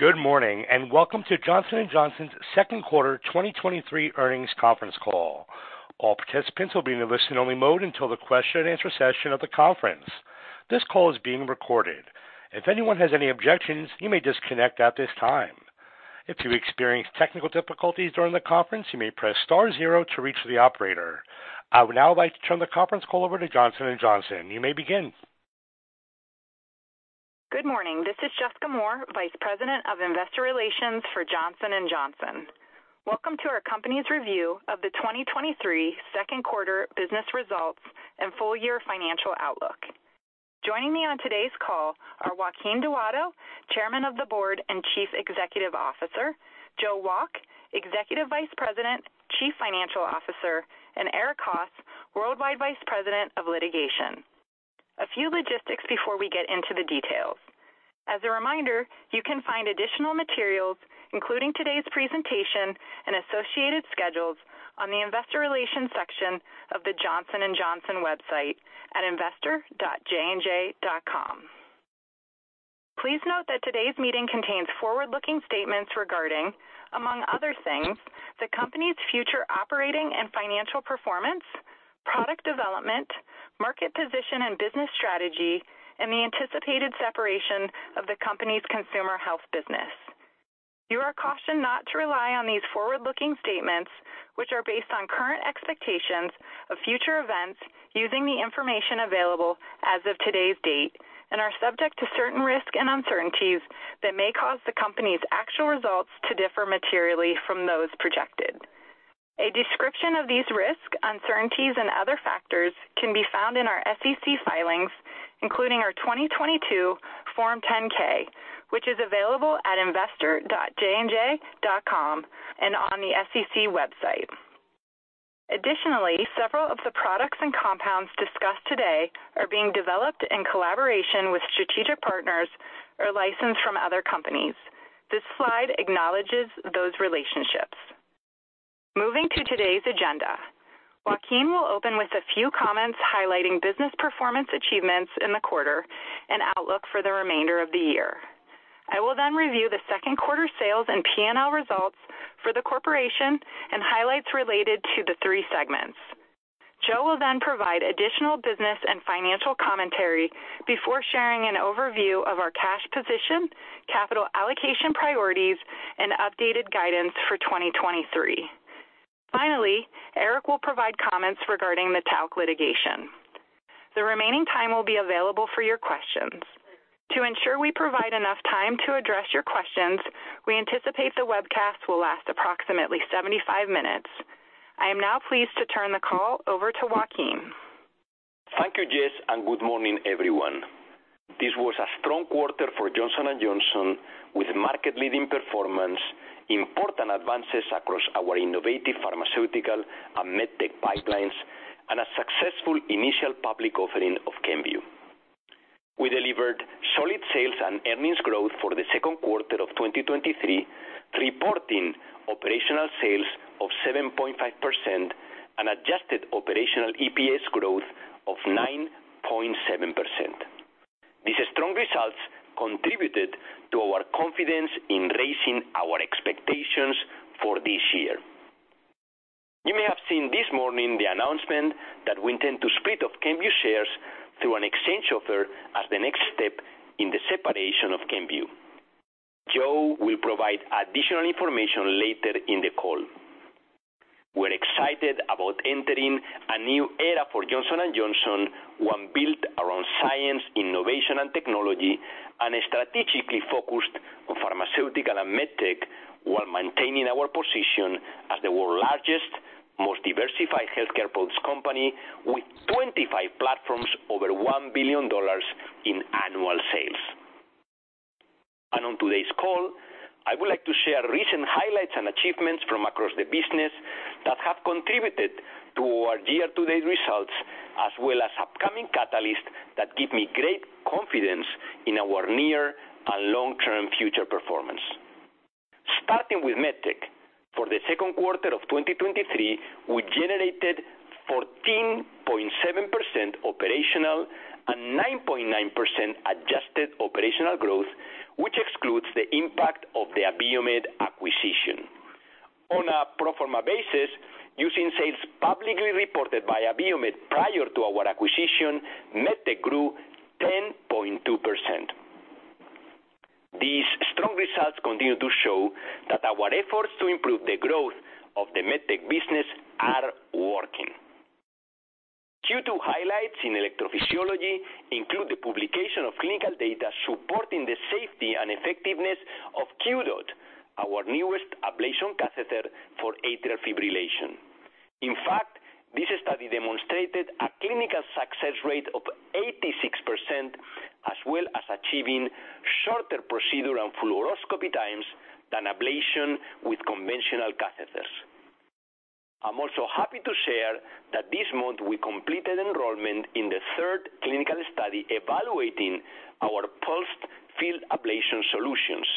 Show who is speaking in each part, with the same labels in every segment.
Speaker 1: Good morning, welcome to Johnson & Johnson's second quarter 2023 earnings conference call. All participants will be in a listen-only mode until the question-and-answer session of the conference. This call is being recorded. If anyone has any objections, you may disconnect at this time. If you experience technical difficulties during the conference, you may press star zero to reach the operator. I would now like to turn the conference call over to Johnson & Johnson. You may begin.
Speaker 2: Good morning. This is Jessica Moore, Vice President of Investor Relations for Johnson & Johnson. Welcome to our company's review of the 2023 second quarter business results and full year financial outlook. Joining me on today's call are Joaquin Duato, Chairman of the Board and Chief Executive Officer, Joseph Wolk, Executive Vice President, Chief Financial Officer, and Erik Haas, Worldwide Vice President of Litigation. A few logistics before we get into the details. As a reminder, you can find additional materials, including today's presentation and associated schedules, on the Investor Relations section of the Johnson & Johnson website at investor.jnj.com. Please note that today's meeting contains forward-looking statements regarding, among other things, the company's future operating and financial performance, product development, market position and business strategy, and the anticipated separation of the company's consumer health business. You are cautioned not to rely on these forward-looking statements, which are based on current expectations of future events using the information available as of today's date and are subject to certain risks and uncertainties that may cause the company's actual results to differ materially from those projected. A description of these risks, uncertainties, and other factors can be found in our SEC filings, including our 2022 Form 10-K, which is available at investor.jnj.com and on the SEC website. Several of the products and compounds discussed today are being developed in collaboration with strategic partners or licensed from other companies. This slide acknowledges those relationships. Moving to today's agenda, Joaquin will open with a few comments highlighting business performance achievements in the quarter and outlook for the remainder of the year. I will then review the second quarter sales and PNL results for the corporation and highlights related to the three segments. Joe will then provide additional business and financial commentary before sharing an overview of our cash position, capital allocation priorities, and updated guidance for 2023. Finally, Erik will provide comments regarding the talc litigation. The remaining time will be available for your questions. To ensure we provide enough time to address your questions, we anticipate the webcast will last approximately 75 minutes. I am now pleased to turn the call over to Joaquin.
Speaker 3: Thank you, Jess. Good morning, everyone. This was a strong quarter for Johnson & Johnson, with market-leading performance, important advances across our innovative pharmaceutical and MedTech pipelines, and a successful initial public offering of Kenvue. We delivered solid sales and earnings growth for the second quarter of 2023, reporting operational sales of 7.5% and adjusted operational EPS growth of 9.7%. These strong results contributed to our confidence in raising our expectations for this year. You may have seen this morning the announcement that we intend to split up Kenvue shares through an exchange offer as the next step in the separation of Kenvue. Joe will provide additional information later in the call. We're excited about entering a new era for Johnson & Johnson, one built around science, innovation, and technology, and strategically focused on pharmaceutical and MedTech, while maintaining our position as the world's largest, most diversified healthcare products company, with 25 platforms over $1 billion in annual sales. On today's call, I would like to share recent highlights and achievements from across the business that have contributed to our year-to-date results, as well as upcoming catalysts that give me great confidence in our near and long-term future performance. Starting with MedTech, for the second quarter of 2023, we generated 14.7% operational and 9.9% adjusted operational growth, which excludes the impact of the Abiomed acquisition. On a pro forma basis, using sales publicly reported by Abiomed prior to our acquisition, MedTech grew 10.2%. These strong results continue to show that our efforts to improve the growth of the MedTech business are working. Q2 highlights in electrophysiology include the publication of clinical data supporting the safety and effectiveness of QDOT MICRO, our newest ablation catheter for atrial fibrillation. In fact, this study demonstrated a clinical success rate of 86%, as well as achieving shorter procedure and fluoroscopy times than ablation with conventional catheters. I'm also happy to share that this month we completed enrollment in the third clinical study evaluating our pulsed field ablation solutions.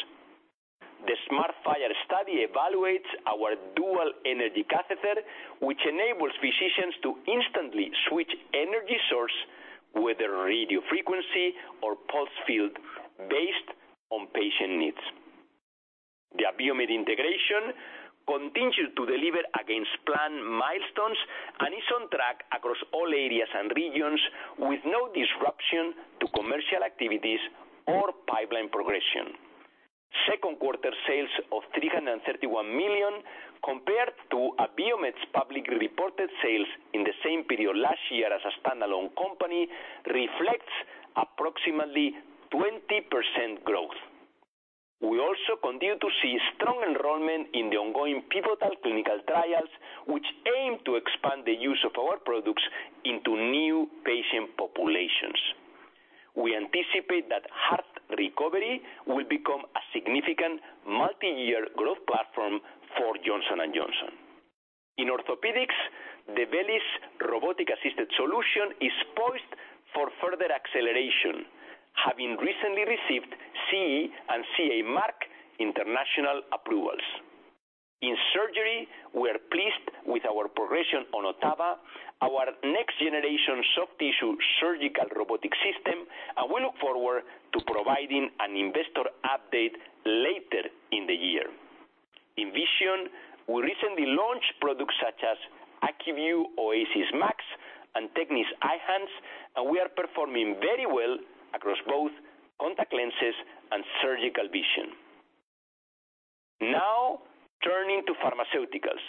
Speaker 3: The FIRE study evaluates our dual energy catheter, which enables physicians to instantly switch energy source, whether radiofrequency or pulse field, based on patient needs. The Abiomed integration continues to deliver against planned milestones and is on track across all areas and regions, with no disruption to commercial activities or pipeline progression. Second quarter sales of $331 million, compared to Abiomed's publicly reported sales in the same period last year as a standalone company, reflects approximately 20% growth. We also continue to see strong enrollment in the ongoing pivotal clinical trials, which aim to expand the use of our products into new patient populations. We anticipate that heart recovery will become a significant multi-year growth platform for Johnson & Johnson. In orthopedics, the VELYS robotic-assisted solution is poised for further acceleration, having recently received CE and CA Mark international approvals. In surgery, we are pleased with our progression on Ottava, our next-generation soft tissue surgical robotic system, and we look forward to providing an investor update later in the year. In vision, we recently launched products such as ACUVUE OASYS MAX and TECNIS Eyhance, and we are performing very well across both contact lenses and surgical vision. Now, turning to pharmaceuticals.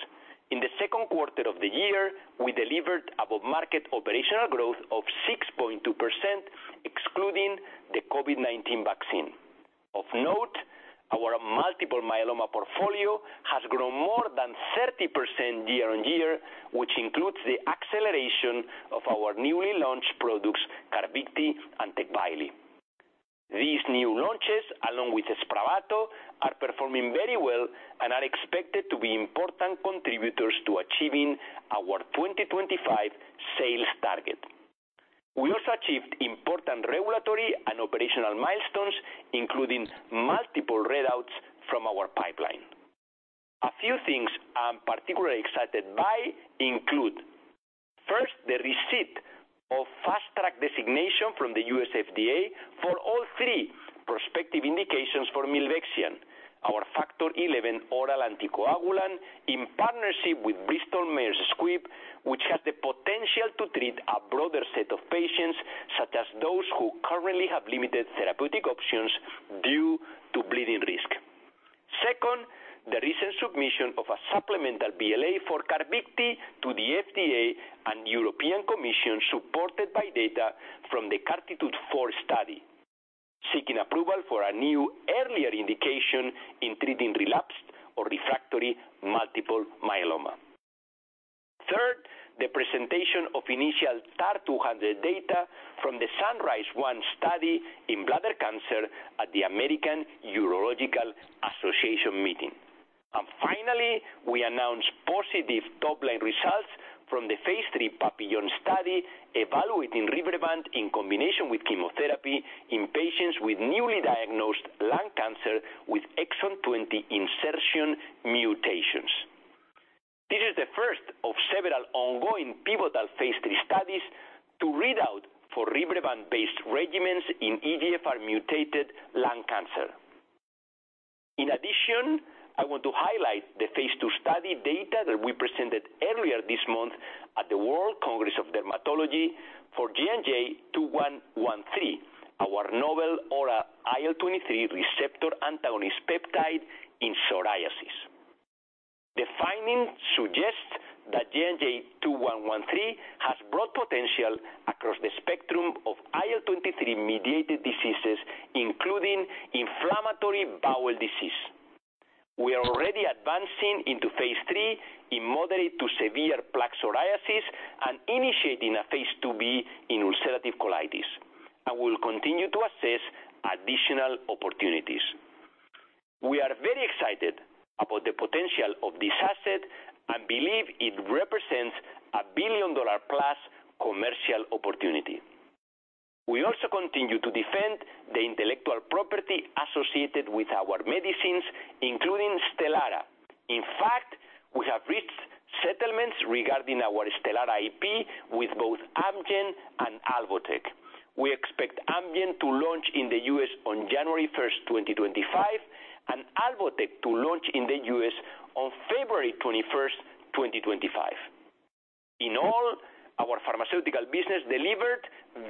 Speaker 3: In the second quarter of the year, we delivered above-market operational growth of 6.2%, excluding the COVID-19 vaccine. Of note, our multiple myeloma portfolio has grown more than 30% year-over-year, which includes the acceleration of our newly launched products, CARVYKTI and TECVAYLI. These new launches, along with SPRAVATO, are performing very well and are expected to be important contributors to achieving our 2025 sales target. We also achieved important regulatory and operational milestones, including multiple readouts from our pipeline. A few things I'm particularly excited by include, first, the receipt of Fast Track designation from the U.S. FDA for all prospective indications for milvexian, our Factor XIa oral anticoagulant, in partnership with Bristol Myers Squibb, which has the potential to treat a broader set of patients, such as those who currently have limited therapeutic options due to bleeding risk. Second, the recent submission of a supplemental BLA for CARVYKTI to the FDA and European Commission, supported by data from the CARTITUDE-4 study, seeking approval for a new earlier indication in treating relapsed or refractory multiple myeloma. Third, the presentation of initial TAR-200 data from the SunRISe-1 study in bladder cancer at the American Urological Association meeting. Finally, we announced positive top-line results from the phase 3 PAPILLON study, evaluating RYBREVANT in combination with chemotherapy in patients with newly diagnosed lung cancer with exon 20 insertion mutations. This is the first of several ongoing pivotal Phase 3 studies to read out for RYBREVANT-based regimens in EGFR-mutated lung cancer. I want to highlight the Phase 2 study data that we presented earlier this month at the World Congress of Dermatology for JNJ-2113, our novel oral IL-23 receptor antagonist peptide in psoriasis. The findings suggest that JNJ-2113 has broad potential across the spectrum of IL-23-mediated diseases, including inflammatory bowel disease. We are already advancing into Phase 3 in moderate to severe plaque psoriasis and initiating a Phase 2b in ulcerative colitis, we will continue to assess additional opportunities. We are very excited about the potential of this asset and believe it represents a $1 billion-plus commercial opportunity. We also continue to defend the intellectual property associated with our medicines, including STELARA. In fact, we have reached settlements regarding our STELARA IP with both Amgen and Alvotech. We expect Amgen to launch in the U.S. on January 1st, 2025, and Alvotech to launch in the U.S. on February 21st, 2025. In all, our pharmaceutical business delivered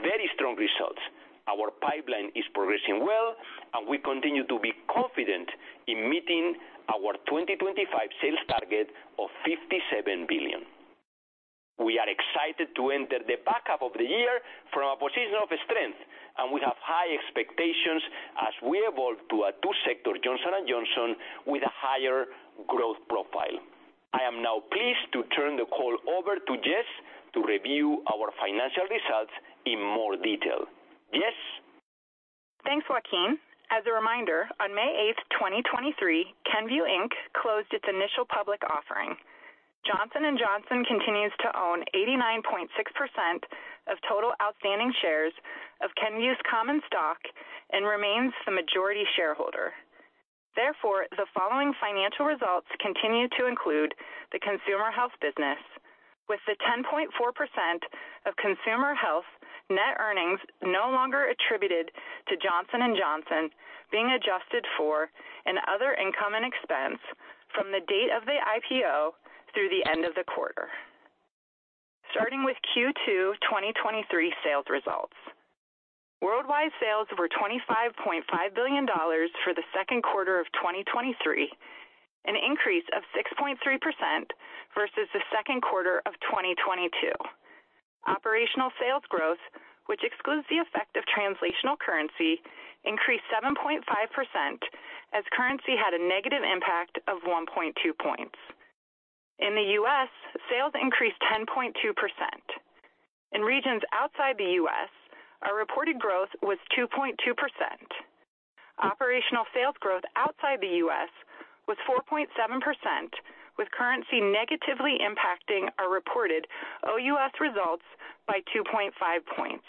Speaker 3: very strong results. Our pipeline is progressing well. We continue to be confident in meeting our 2025 sales target of $57 billion. We are excited to enter the back half of the year from a position of strength. We have high expectations as we evolve to a two-sector Johnson & Johnson with a higher growth profile. I am now pleased to turn the call over to Jess to review our financial results in more detail. Jess?
Speaker 2: Thanks, Joaquin. As a reminder, on May 8, 2023, Kenvue Inc. closed its initial public offering. Johnson & Johnson continues to own 89.6% of total outstanding shares of Kenvue's common stock and remains the majority shareholder. The following financial results continue to include the Consumer Health business, with the 10.4% of Consumer Health net earnings no longer attributed to Johnson & Johnson being adjusted for in other income and expense from the date of the IPO through the end of the quarter. Starting with Q2 2023 sales results. Worldwide sales were $25.5 billion for the second quarter of 2023, an increase of 6.3% versus the second quarter of 2022. Operational sales growth, which excludes the effect of translational currency, increased 7.5% as currency had a negative impact of 1.2 points. In the U.S., sales increased 10.2%. In regions outside the U.S., our reported growth was 2.2%. Operational sales growth outside the U.S. was 4.7%, with currency negatively impacting our reported OUS results by 2.5 points.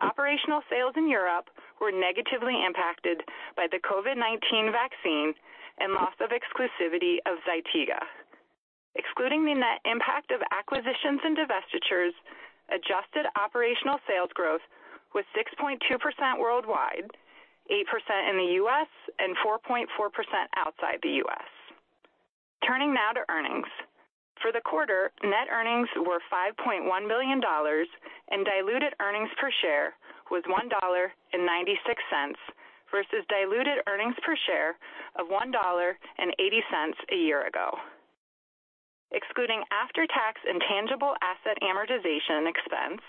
Speaker 2: Operational sales in Europe were negatively impacted by the COVID-19 vaccine and loss of exclusivity of ZYTIGA. Excluding the net impact of acquisitions and divestitures, adjusted operational sales growth was 6.2% worldwide, 8% in the U.S. and 4.4% outside the U.S. Turning now to earnings. For the quarter, net earnings were $5.1 billion, and diluted earnings per share was $1.96 versus diluted earnings per share of $1.80 a year ago. Excluding after-tax intangible asset amortization expense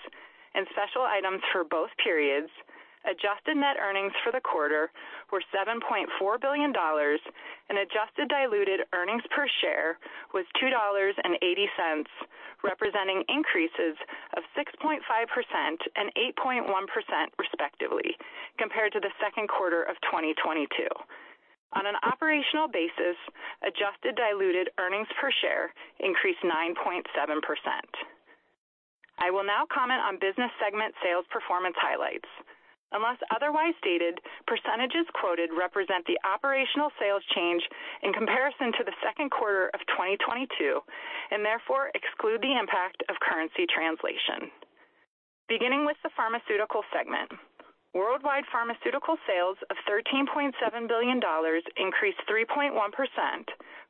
Speaker 2: and special items for both periods, adjusted net earnings for the quarter were $7.4 billion, and adjusted diluted earnings per share was $2.80, representing increases of 6.5% and 8.1%, respectively, compared to the second quarter of 2022. On an operational basis, adjusted diluted earnings per share increased 9.7%. I will now comment on business segment sales performance highlights. Unless otherwise stated, percentages quoted represent the operational sales change in comparison to the second quarter of 2022 and therefore exclude the impact of currency translation. Beginning with the Pharmaceutical segment. Worldwide pharmaceutical sales of $13.7 billion increased 3.1%,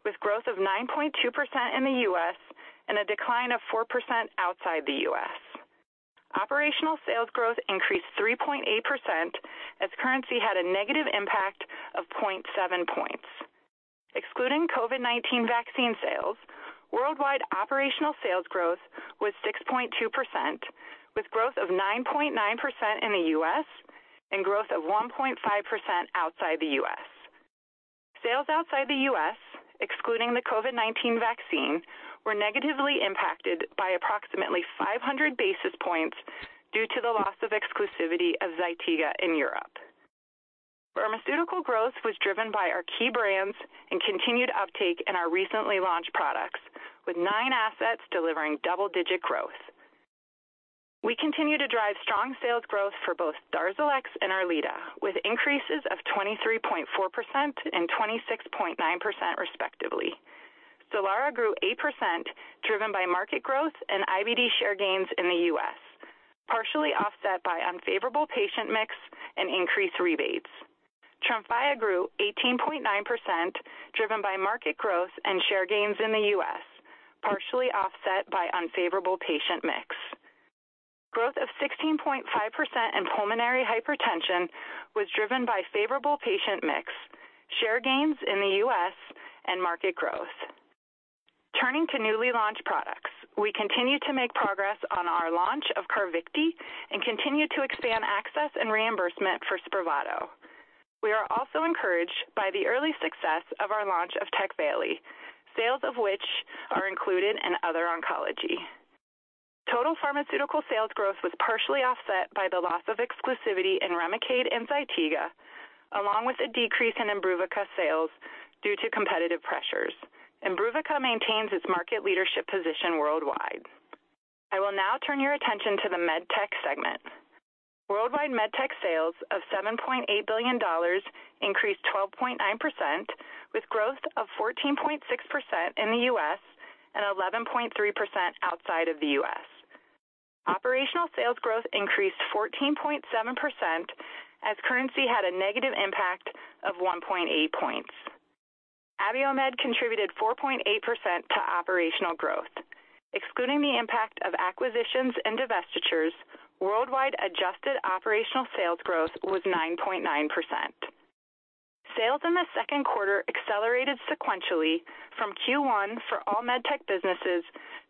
Speaker 2: with growth of 9.2% in the U.S. and a decline of 4% outside the U.S. Operational sales growth increased 3.8% as currency had a negative impact of 0.7 points. Excluding COVID-19 vaccine sales, worldwide operational sales growth was 6.2%, with growth of 9.9% in the U.S. and growth of 1.5% outside the U.S. Sales outside the U.S., excluding the COVID-19 vaccine, were negatively impacted by approximately 500 basis points due to the loss of exclusivity of ZYTIGA in Europe. Pharmaceutical growth was driven by our key brands and continued uptake in our recently launched products, with 9 assets delivering double-digit growth. We continue to drive strong sales growth for both DARZALEX and ERLEADA, with increases of 23.4% and 26.9%, respectively. STELARA grew 8%, driven by market growth and IBD share gains in the U.S., partially offset by unfavorable patient mix and increased rebates. TREMFYA grew 18.9%, driven by market growth and share gains in the U.S., partially offset by unfavorable patient mix. Growth of 16.5% in pulmonary hypertension was driven by favorable patient mix, share gains in the U.S. and market growth. Turning to newly launched products, we continue to make progress on our launch of CARVYKTI and continue to expand access and reimbursement for SPRAVATO. We are also encouraged by the early success of our launch of TECVAYLI, sales of which are included in other oncology. Total pharmaceutical sales growth was partially offset by the loss of exclusivity in REMICADE and ZYTIGA, along with a decrease in IMBRUVICA sales due to competitive pressures. IMBRUVICA maintains its market leadership position worldwide. I will now turn your attention to the MedTech segment. Worldwide MedTech sales of $7.8 billion increased 12.9%, with growth of 14.6% in the U.S. and 11.3% outside of the U.S. Operational sales growth increased 14.7% as currency had a negative impact of 1.8 points. Abiomed contributed 4.8% to operational growth. Excluding the impact of acquisitions and divestitures, worldwide adjusted operational sales growth was 9.9%. Sales in the second quarter accelerated sequentially from Q1 for all MedTech businesses,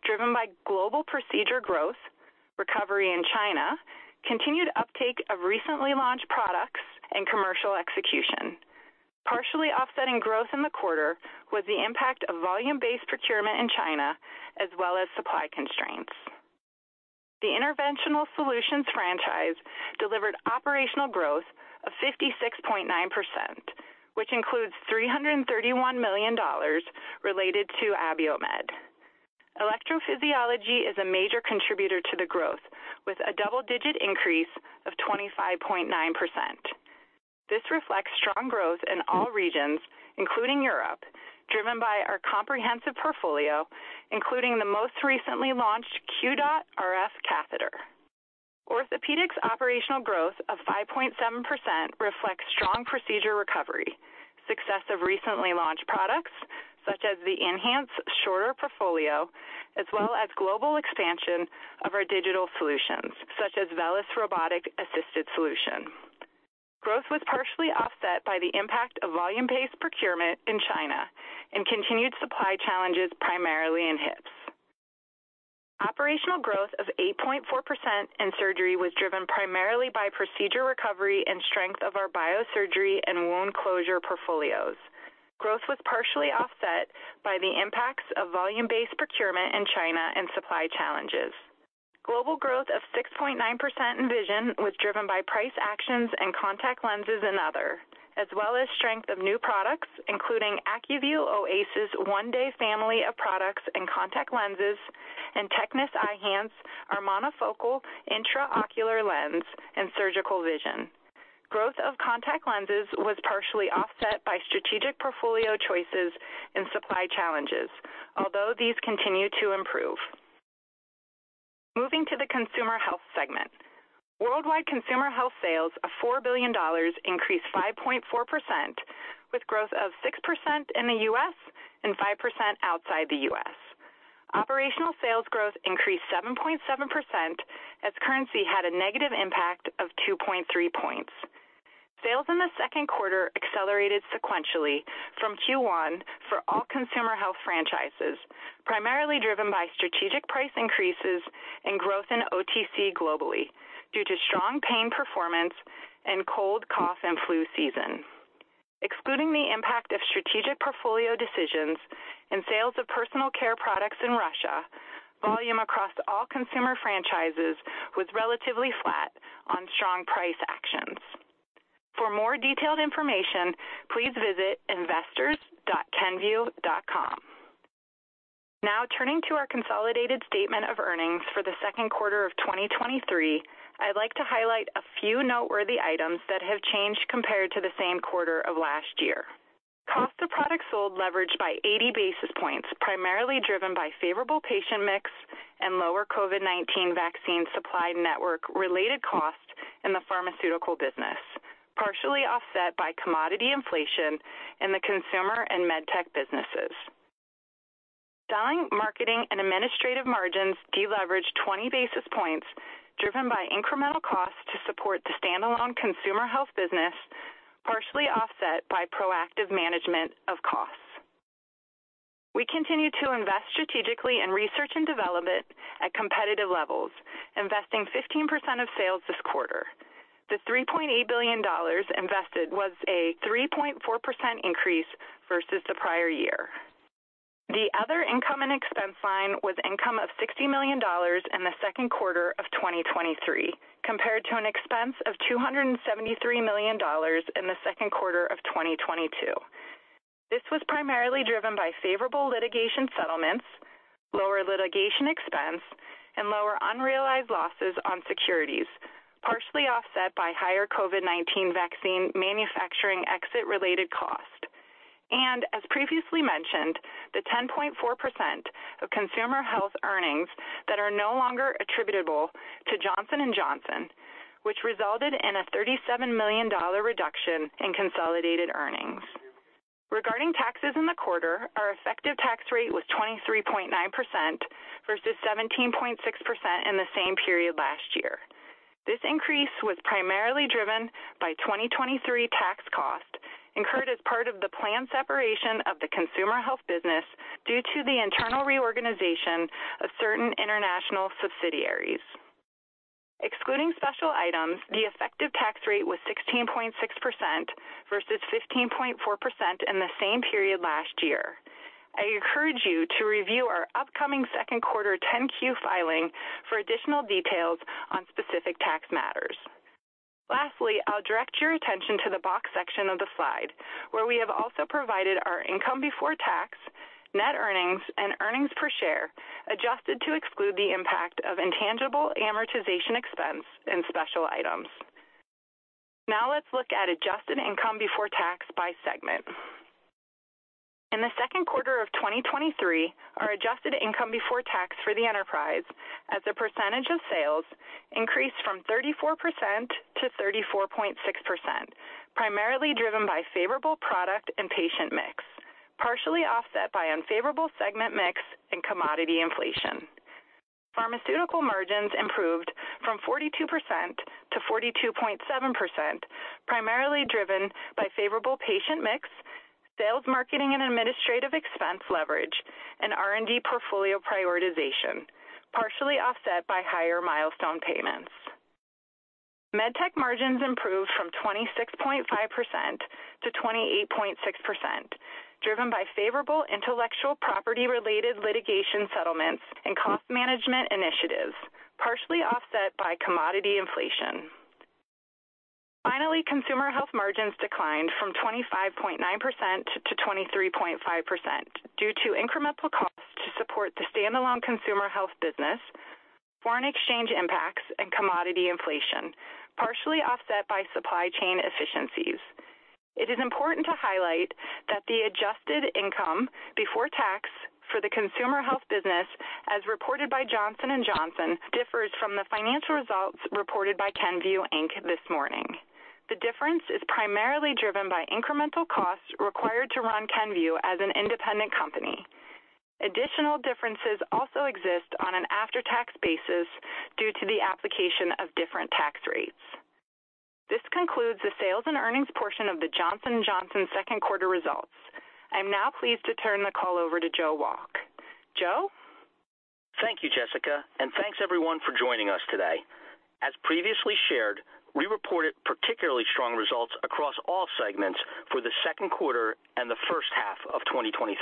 Speaker 2: driven by global procedure growth, recovery in China, continued uptake of recently launched products and commercial execution. Partially offsetting growth in the quarter was the impact of volume-based procurement in China, as well as supply constraints. The Interventional Solutions franchise delivered operational growth of 56.9%, which includes $331 million related to Abiomed. Electrophysiology is a major contributor to the growth, with a double-digit increase of 25.9%. This reflects strong growth in all regions, including Europe, driven by our comprehensive portfolio, including the most recently launched QDOT MICRO Catheter. Orthopedics operational growth of 5.7% reflects strong procedure recovery, success of recently launched products such as the TECNIS Eyhance portfolio, as well as global expansion of our digital solutions, such as VELYS Robotic-Assisted Solution. Growth was partially offset by the impact of volume-based procurement in China and continued supply challenges, primarily in hips. Operational growth of 8.4% in surgery was driven primarily by procedure recovery and strength of our biosurgery and wound closure portfolios. Growth was partially offset by the impacts of volume-based procurement in China and supply challenges. Global growth of 6.9% in vision was driven by price actions and contact lenses and other, as well as strength of new products, including ACUVUE OASYS 1-Day family of products and contact lenses, and TECNIS IOL, our monofocal intraocular lens and surgical vision. Growth of contact lenses was partially offset by strategic portfolio choices and supply challenges, although these continue to improve. Moving to the Consumer Health segment. Worldwide Consumer Health sales of $4 billion increased 5.4%, with growth of 6% in the U.S. and 5% outside the U.S. Operational sales growth increased 7.7%, as currency had a negative impact of 2.3 points. Sales in the second quarter accelerated sequentially from Q1 for all Consumer Health franchises, primarily driven by strategic price increases and growth in OTC globally due to strong pain performance and cold, cough, and flu season. Excluding the impact of strategic portfolio decisions and sales of personal care products in Russia, volume across all consumer franchises was relatively flat on strong price actions. For more detailed information, please visit investors.Kenvue.com. Turning to our consolidated statement of earnings for the second quarter of 2023, I'd like to highlight a few noteworthy items that have changed compared to the same quarter of last year. Cost of products sold leveraged by 80 basis points, primarily driven by favorable patient mix and lower COVID-19 vaccine supply network related costs in the pharmaceutical business, partially offset by commodity inflation in the consumer and med tech businesses. Selling, marketing, and administrative margins deleveraged 20 basis points, driven by incremental costs to support the standalone consumer health business, partially offset by proactive management of costs. We continue to invest strategically in research and development at competitive levels, investing 15% of sales this quarter. The $3.8 billion invested was a 3.4% increase versus the prior year. The other income and expense line was income of $60 million in the second quarter of 2023, compared to an expense of $273 million in the second quarter of 2022. This was primarily driven by favorable litigation settlements, lower litigation expense, and lower unrealized losses on securities, partially offset by higher COVID-19 vaccine manufacturing exit-related costs. As previously mentioned, the 10.4% of Consumer Health earnings that are no longer attributable to Johnson & Johnson, which resulted in a $37 million reduction in consolidated earnings. Regarding taxes in the quarter, our effective tax rate was 23.9% versus 17.6% in the same period last year. This increase was primarily driven by 2023 tax costs incurred as part of the planned separation of the Consumer Health business due to the internal reorganization of certain international subsidiaries. Excluding special items, the effective tax rate was 16.6% versus 15.4% in the same period last year. I encourage you to review our upcoming second quarter 10-Q filing for additional details on specific tax matters. Lastly, I'll direct your attention to the box section of the slide, where we have also provided our income before tax, net earnings, and earnings per share, adjusted to exclude the impact of intangible amortization expense and special items. Now let's look at adjusted income before tax by segment. In the second quarter of 2023, our adjusted income before tax for the enterprise as a percentage of sales increased from 34% to 34.6%, primarily driven by favorable product and patient mix, partially offset by unfavorable segment mix and commodity inflation. Pharmaceutical margins improved from 42% to 42.7%, primarily driven by favorable patient mix, sales, marketing and administrative expense leverage, and R&D portfolio prioritization, partially offset by higher milestone payments. MedTech margins improved from 26.5% to 28.6%, driven by favorable intellectual property-related litigation settlements and cost management initiatives, partially offset by commodity inflation. Consumer Health margins declined from 25.9% to 23.5% due to incremental costs to support the standalone consumer health business, foreign exchange impacts, and commodity inflation, partially offset by supply chain efficiencies. It is important to highlight that the adjusted income before tax for the Consumer Health business, as reported by Johnson & Johnson, differs from the financial results reported by Kenvue Inc. this morning. The difference is primarily driven by incremental costs required to run Kenvue as an independent company. Additional differences also exist on an after-tax basis due to the application of different tax rates. This concludes the sales and earnings portion of the Johnson & Johnson second quarter results. I'm now pleased to turn the call over to Joe Wolk. Joe?
Speaker 4: Thank you, Jessica, and thanks, everyone, for joining us today. As previously shared, we reported particularly strong results across all segments for the second quarter and the first half of 2023.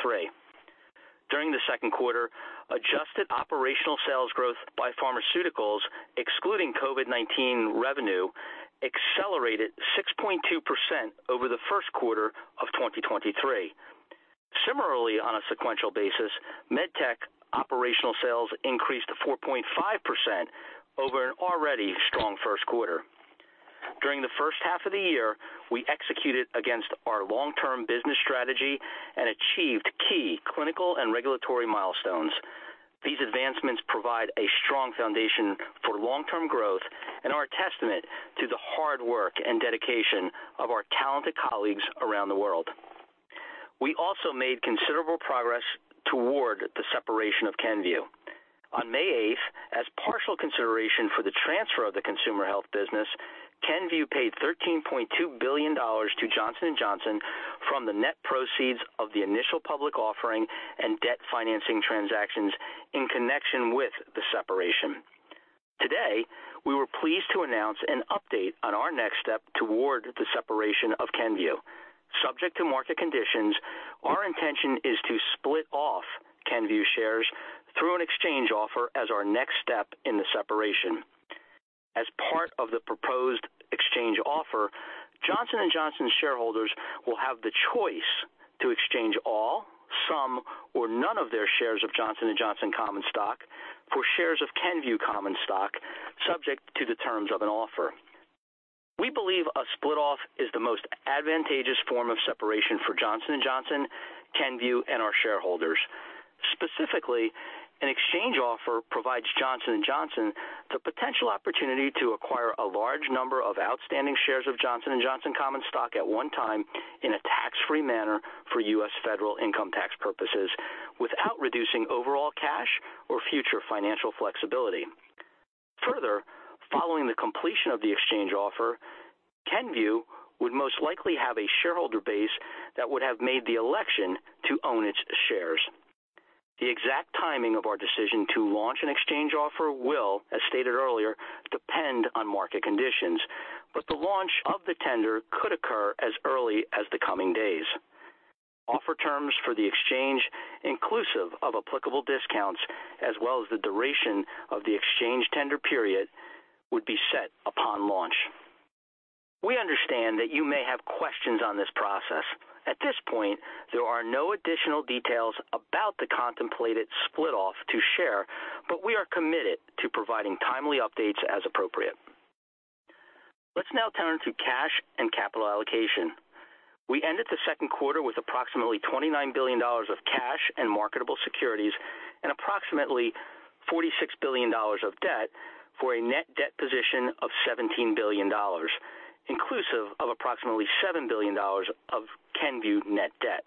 Speaker 4: During the second quarter, adjusted operational sales growth by pharmaceuticals, excluding COVID-19 revenue, accelerated 6.2% over the first quarter of 2023. Similarly, on a sequential basis, MedTech operational sales increased to 4.5% over an already strong first quarter. During the first half of the year, we executed against our long-term business strategy and achieved key clinical and regulatory milestones. These advancements provide a strong foundation for long-term growth and are a testament to the hard work and dedication of our talented colleagues around the world. We also made considerable progress toward the separation of Kenvue. On May eighth, as partial consideration for the transfer of the Consumer Health business, Kenvue paid $13.2 billion to Johnson & Johnson from the net proceeds of the initial public offering and debt financing transactions in connection with the separation. Today, we were pleased to announce an update on our next step toward the separation of Kenvue. Subject to market conditions, our intention is to split off Kenvue shares through an exchange offer as our next step in the separation. As part of the proposed exchange offer, Johnson & Johnson shareholders will have the choice to exchange all, some, or none of their shares of Johnson & Johnson common stock for shares of Kenvue common stock, subject to the terms of an offer. We believe a split off is the most advantageous form of separation for Johnson & Johnson, Kenvue, and our shareholders. Specifically, an exchange offer provides Johnson & Johnson the potential opportunity to acquire a large number of outstanding shares of Johnson & Johnson common stock at one time in a tax-free manner for U.S. federal income tax purposes, without reducing overall cash or future financial flexibility. Following the completion of the exchange offer, Kenvue would most likely have a shareholder base that would have made the election to own its shares. The exact timing of our decision to launch an exchange offer will, as stated earlier, depend on market conditions, but the launch of the tender could occur as early as the coming days. Offer terms for the exchange, inclusive of applicable discounts, as well as the duration of the exchange tender period, would be set upon launch. We understand that you may have questions on this process. At this point, there are no additional details about the contemplated split off to share, but we are committed to providing timely updates as appropriate. Let's now turn to cash and capital allocation. We ended the second quarter with approximately $29 billion of cash and marketable securities and approximately $46 billion of debt, for a net debt position of $17 billion, inclusive of approximately $7 billion of Kenvue net debt.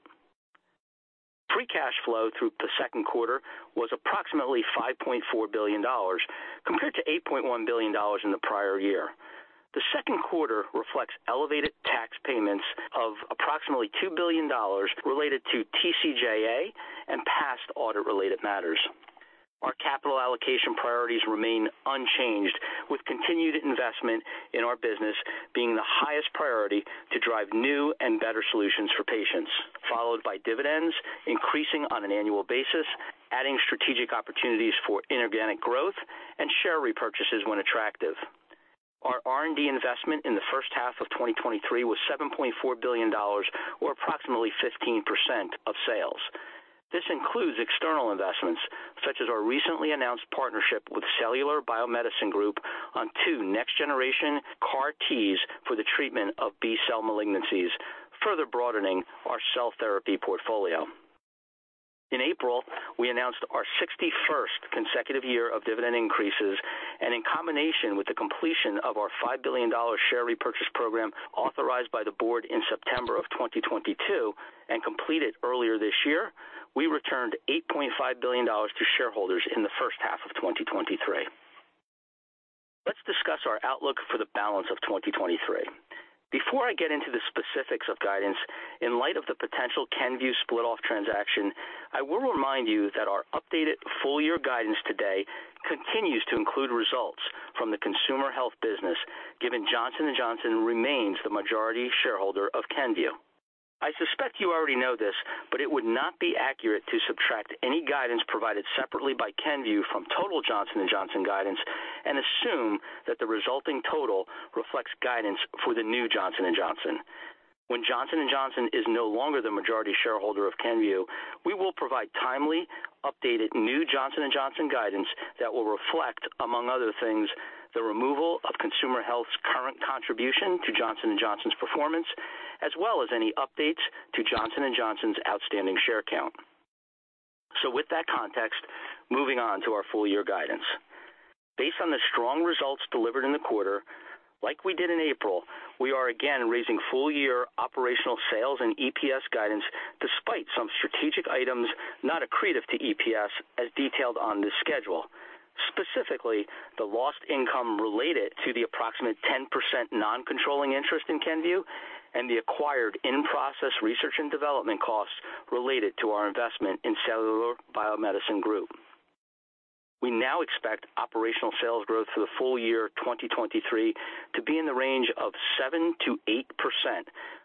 Speaker 4: Free cash flow through the second quarter was approximately $5.4 billion, compared to $8.1 billion in the prior year. The second quarter reflects elevated tax payments of approximately $2 billion related to TCJA and past audit-related matters. Our capital allocation priorities remain unchanged, with continued investment in our business being the highest priority to drive new and better solutions for patients, followed by dividends increasing on an annual basis, adding strategic opportunities for inorganic growth, and share repurchases when attractive. Our R&D investment in the first half of 2023 was $7.4 billion, or approximately 15% of sales. This includes external investments, such as our recently announced partnership with Cellular Biomedicine Group on two next-generation CAR Ts for the treatment of B-cell malignancies, further broadening our cell therapy portfolio. In April, we announced our 61st consecutive year of dividend increases, and in combination with the completion of our $5 billion share repurchase program authorized by the board in September 2022 and completed earlier this year, we returned $8.5 billion to shareholders in the first half of 2023. Let's discuss our outlook for the balance of 2023. Before I get into the specifics of guidance, in light of the potential Kenvue split-off transaction, I will remind you that our updated full year guidance today continues to include results from the Consumer Health business, given Johnson & Johnson remains the majority shareholder of Kenvue. I suspect you already know this, but it would not be accurate to subtract any guidance provided separately by Kenvue from total Johnson & Johnson guidance and assume that the resulting total reflects guidance for the new Johnson & Johnson. When Johnson & Johnson is no longer the majority shareholder of Kenvue, we will provide timely, updated new Johnson & Johnson guidance that will reflect, among other things, the removal of Consumer Health's current contribution to Johnson & Johnson's performance, as well as any updates to Johnson & Johnson's outstanding share count. With that context, moving on to our full year guidance. Based on the strong results delivered in the quarter, like we did in April, we are again raising full year operational sales and EPS guidance, despite some strategic items not accretive to EPS, as detailed on this schedule. Specifically, the lost income related to the approximate 10% non-controlling interest in Kenvue and the acquired in-process research and development costs related to our investment in Cellular Biomedicine Group. We now expect operational sales growth for the full year 2023 to be in the range of 7%-8%,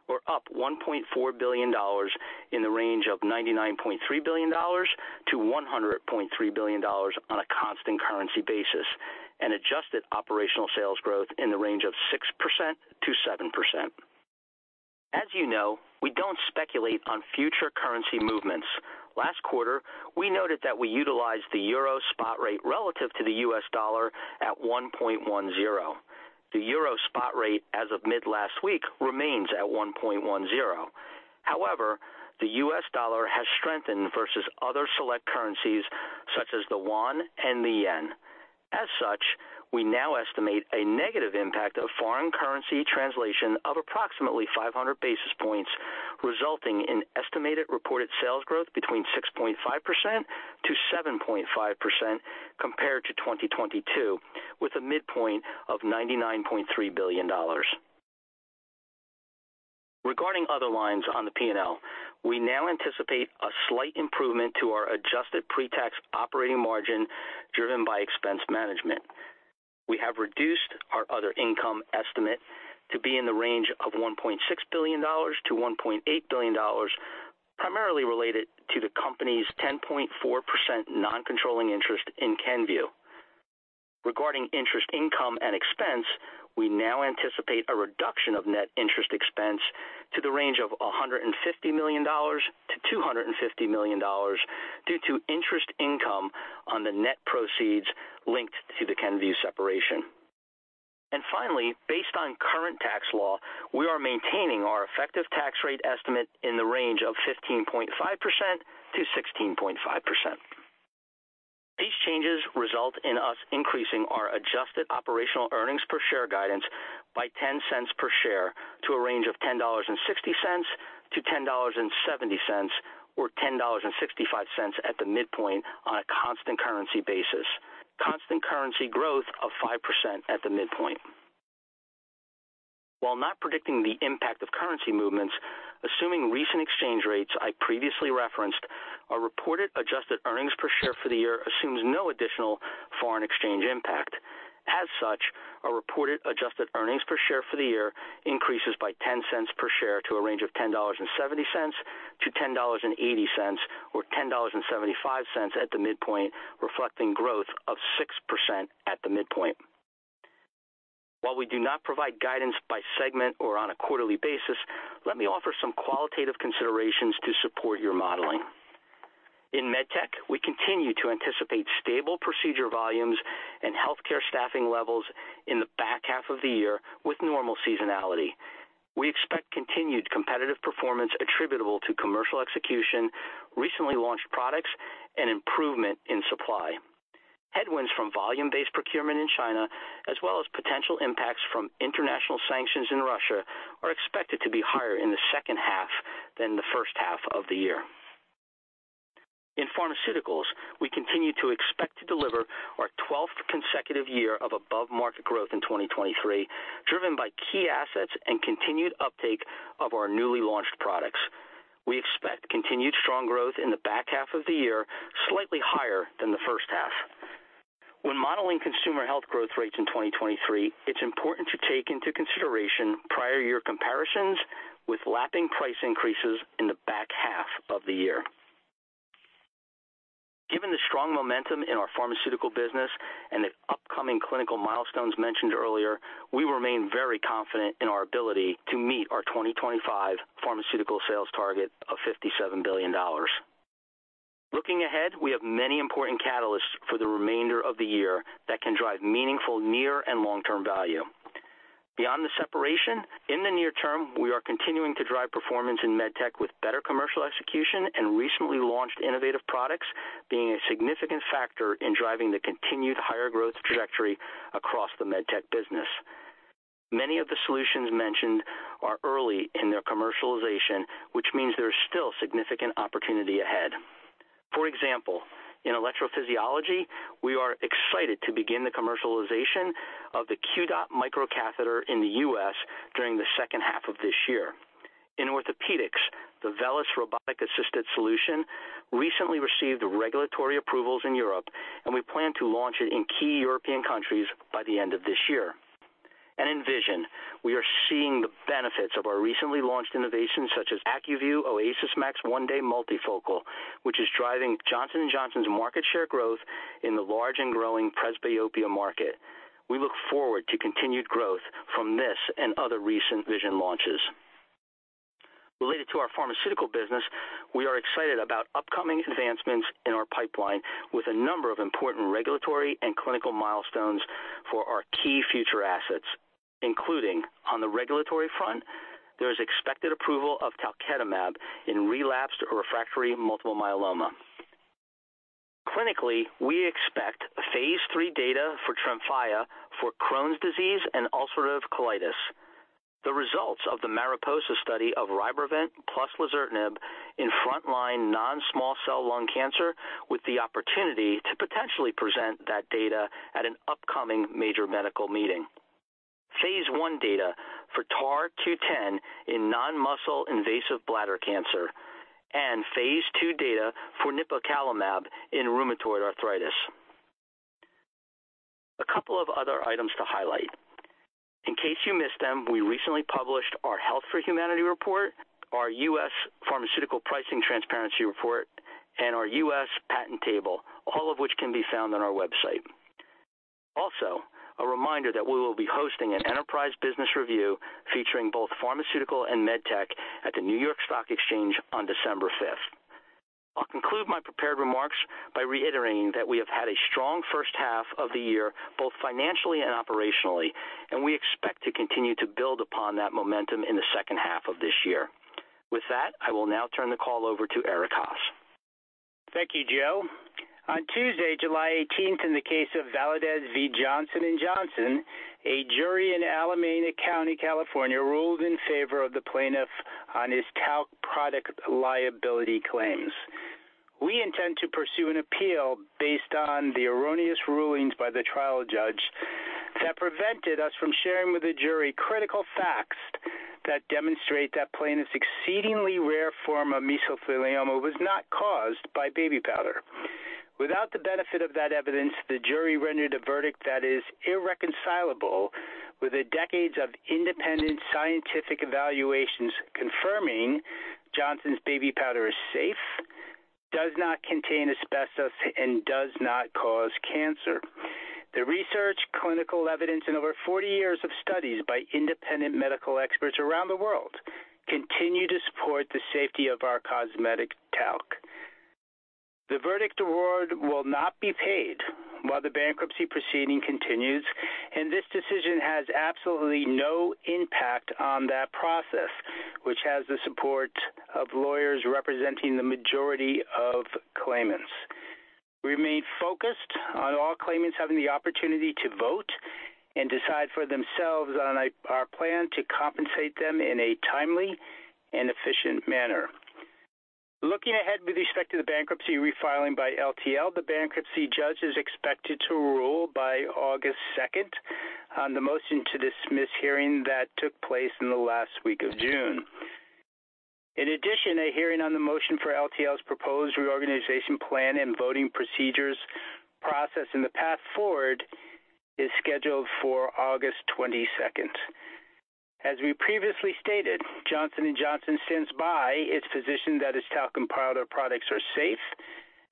Speaker 4: or up $1.4 billion in the range of $99.3 billion-$100.3 billion on a constant currency basis, and adjusted operational sales growth in the range of 6%-7%. As you know, we don't speculate on future currency movements. Last quarter, we noted that we utilized the euro spot rate relative to the U.S. dollar at 1.10. The euro spot rate as of mid-last week remains at 1.10. The U.S. dollar has strengthened versus other select currencies such as the won and the yen. We now estimate a negative impact of foreign currency translation of approximately 500 basis points, resulting in estimated reported sales growth between 6.5%-7.5% compared to 2022, with a midpoint of $99.3 billion. Regarding other lines on the P&L, we now anticipate a slight improvement to our adjusted pre-tax operating margin, driven by expense management. We have reduced our other income estimate to be in the range of $1.6 billion-$1.8 billion, primarily related to the company's 10.4% non-controlling interest in Kenvue. Regarding interest, income and expense, we now anticipate a reduction of net interest expense to the range of $150 million-$250 million due to interest income on the net proceeds linked to the Kenvue separation. Finally, based on current tax law, we are maintaining our effective tax rate estimate in the range of 15.5%-16.5%. These changes result in us increasing our adjusted operational earnings per share guidance by $0.10 per share to a range of $10.60-$10.70, or $10.65 at the midpoint on a constant currency basis. Constant currency growth of 5% at the midpoint. While not predicting the impact of currency movements, assuming recent exchange rates I previously referenced, our reported adjusted earnings per share for the year assumes no additional foreign exchange impact. Our reported adjusted earnings per share for the year increases by $0.10 per share to a range of $10.70-$10.80 or $10.75 at the midpoint, reflecting growth of 6% at the midpoint. While we do not provide guidance by segment or on a quarterly basis, let me offer some qualitative considerations to support your modeling. In MedTech, we continue to anticipate stable procedure volumes and healthcare staffing levels in the back half of the year with normal seasonality. We expect continued competitive performance attributable to commercial execution, recently launched products and improvement in supply. Headwinds from volume-based procurement in China, as well as potential impacts from international sanctions in Russia, are expected to be higher in the second half than the first half of the year. In Pharmaceuticals, we continue to expect to deliver our twelfth consecutive year of above-market growth in 2023, driven by key assets and continued uptake of our newly launched products. We expect continued strong growth in the back half of the year, slightly higher than the first half. When modeling Consumer Health growth rates in 2023, it's important to take into consideration prior year comparisons with lapping price increases in the back half of the year. Given the strong momentum in our Pharmaceutical business and the upcoming clinical milestones mentioned earlier, we remain very confident in our ability to meet our 2025 pharmaceutical sales target of $57 billion. Looking ahead, we have many important catalysts for the remainder of the year that can drive meaningful near and long-term value. Beyond the separation, in the near term, we are continuing to drive performance in MedTech with better commercial execution and recently launched innovative products, being a significant factor in driving the continued higher growth trajectory across the MedTech business. Many of the solutions mentioned are early in their commercialization, which means there is still significant opportunity ahead. For example, in electrophysiology, we are excited to begin the commercialization of the QDOT MICRO Catheter in the U.S. during the second half of this year. In orthopedics, the VELYS Robotic-Assisted Solution recently received regulatory approvals in Europe, and we plan to launch it in key European countries by the end of this year. In vision, we are seeing the benefits of our recently launched innovations, such as ACUVUE OASYS MAX 1-Day Multifocal, which is driving Johnson & Johnson's market share growth in the large and growing presbyopia market. We look forward to continued growth from this and other recent vision launches. Related to our pharmaceutical business, we are excited about upcoming advancements in our pipeline with a number of important regulatory and clinical milestones for our key future assets, including on the regulatory front, there is expected approval of talquetamab in relapsed or refractory multiple myeloma. Clinically, we expect phase III data for TREMFYA for Crohn's disease and ulcerative colitis. The results of the MARIPOSA study of RYBREVANT plus lazertinib in frontline non-small cell lung cancer, with the opportunity to potentially present that data at an upcoming major medical meeting. phase 1 data for TAR-210 in non-muscle-invasive bladder cancer and phase 2 data for nipocalimab in rheumatoid arthritis. Case you missed them, we recently published our Health for Humanity Report, our U.S. Pharmaceutical Pricing Transparency Report, and our U.S. Patent Table, all of which can be found on our website. A reminder that we will be hosting an enterprise business review featuring both pharmaceutical and MedTech at the New York Stock Exchange on December 5. I'll conclude my prepared remarks by reiterating that we have had a strong first half of the year, both financially and operationally, and we expect to continue to build upon that momentum in the second half of this year. I will now turn the call over to Erik Haas.
Speaker 5: Thank you, Joe. On Tuesday, July 18th, in the case of Valadez v. Johnson & Johnson, a jury in Alameda County, California, ruled in favor of the plaintiff on his talc product liability claims. We intend to pursue an appeal based on the erroneous rulings by the trial judge that prevented us from sharing with the jury critical facts that demonstrate that plaintiff's exceedingly rare form of mesothelioma was not caused by baby powder. Without the benefit of that evidence, the jury rendered a verdict that is irreconcilable with the decades of independent scientific evaluations confirming Johnson's Baby Powder is safe, does not contain asbestos, and does not cause cancer. The research, clinical evidence, and over 40 years of studies by independent medical experts around the world continue to support the safety of our cosmetic talc. The verdict award will not be paid while the bankruptcy proceeding continues, and this decision has absolutely no impact on that process, which has the support of lawyers representing the majority of claimants. We remain focused on all claimants having the opportunity to vote and decide for themselves on our plan to compensate them in a timely and efficient manner. Looking ahead with respect to the bankruptcy refiling by LTL, the bankruptcy judge is expected to rule by August 2nd on the motion to dismiss hearing that took place in the last week of June. In addition, a hearing on the motion for LTL's proposed reorganization plan and voting procedures process and the path forward is scheduled for August 22nd. As we previously stated, Johnson & Johnson stands by its position that its talcum powder products are safe,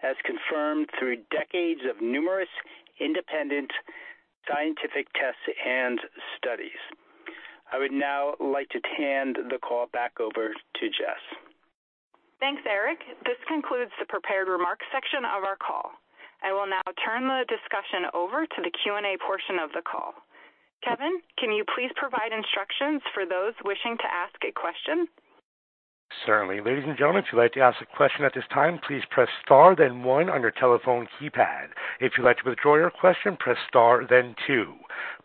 Speaker 5: as confirmed through decades of numerous independent scientific tests and studies. I would now like to hand the call back over to Jess.
Speaker 2: Thanks, Erik. This concludes the prepared remarks section of our call. I will now turn the discussion over to the Q&A portion of the call. Kevin, can you please provide instructions for those wishing to ask a question?
Speaker 1: Certainly. Ladies and gentlemen, if you'd like to ask a question at this time, please press star then one on your telephone keypad. If you'd like to withdraw your question, press star then two.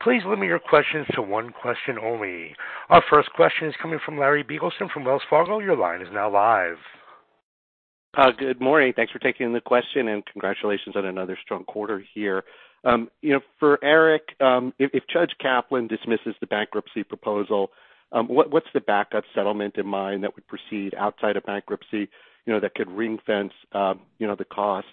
Speaker 1: Please limit your questions to one question only. Our first question is coming from Larry Biegelsen from Wells Fargo. Your line is now live.
Speaker 6: Good morning. Thanks for taking the question, congratulations on another strong quarter here. You know, for Erik, if Judge Kaplan dismisses the bankruptcy proposal, what's the backup settlement in mind that would proceed outside of bankruptcy, you know, that could ring-fence, you know, the costs?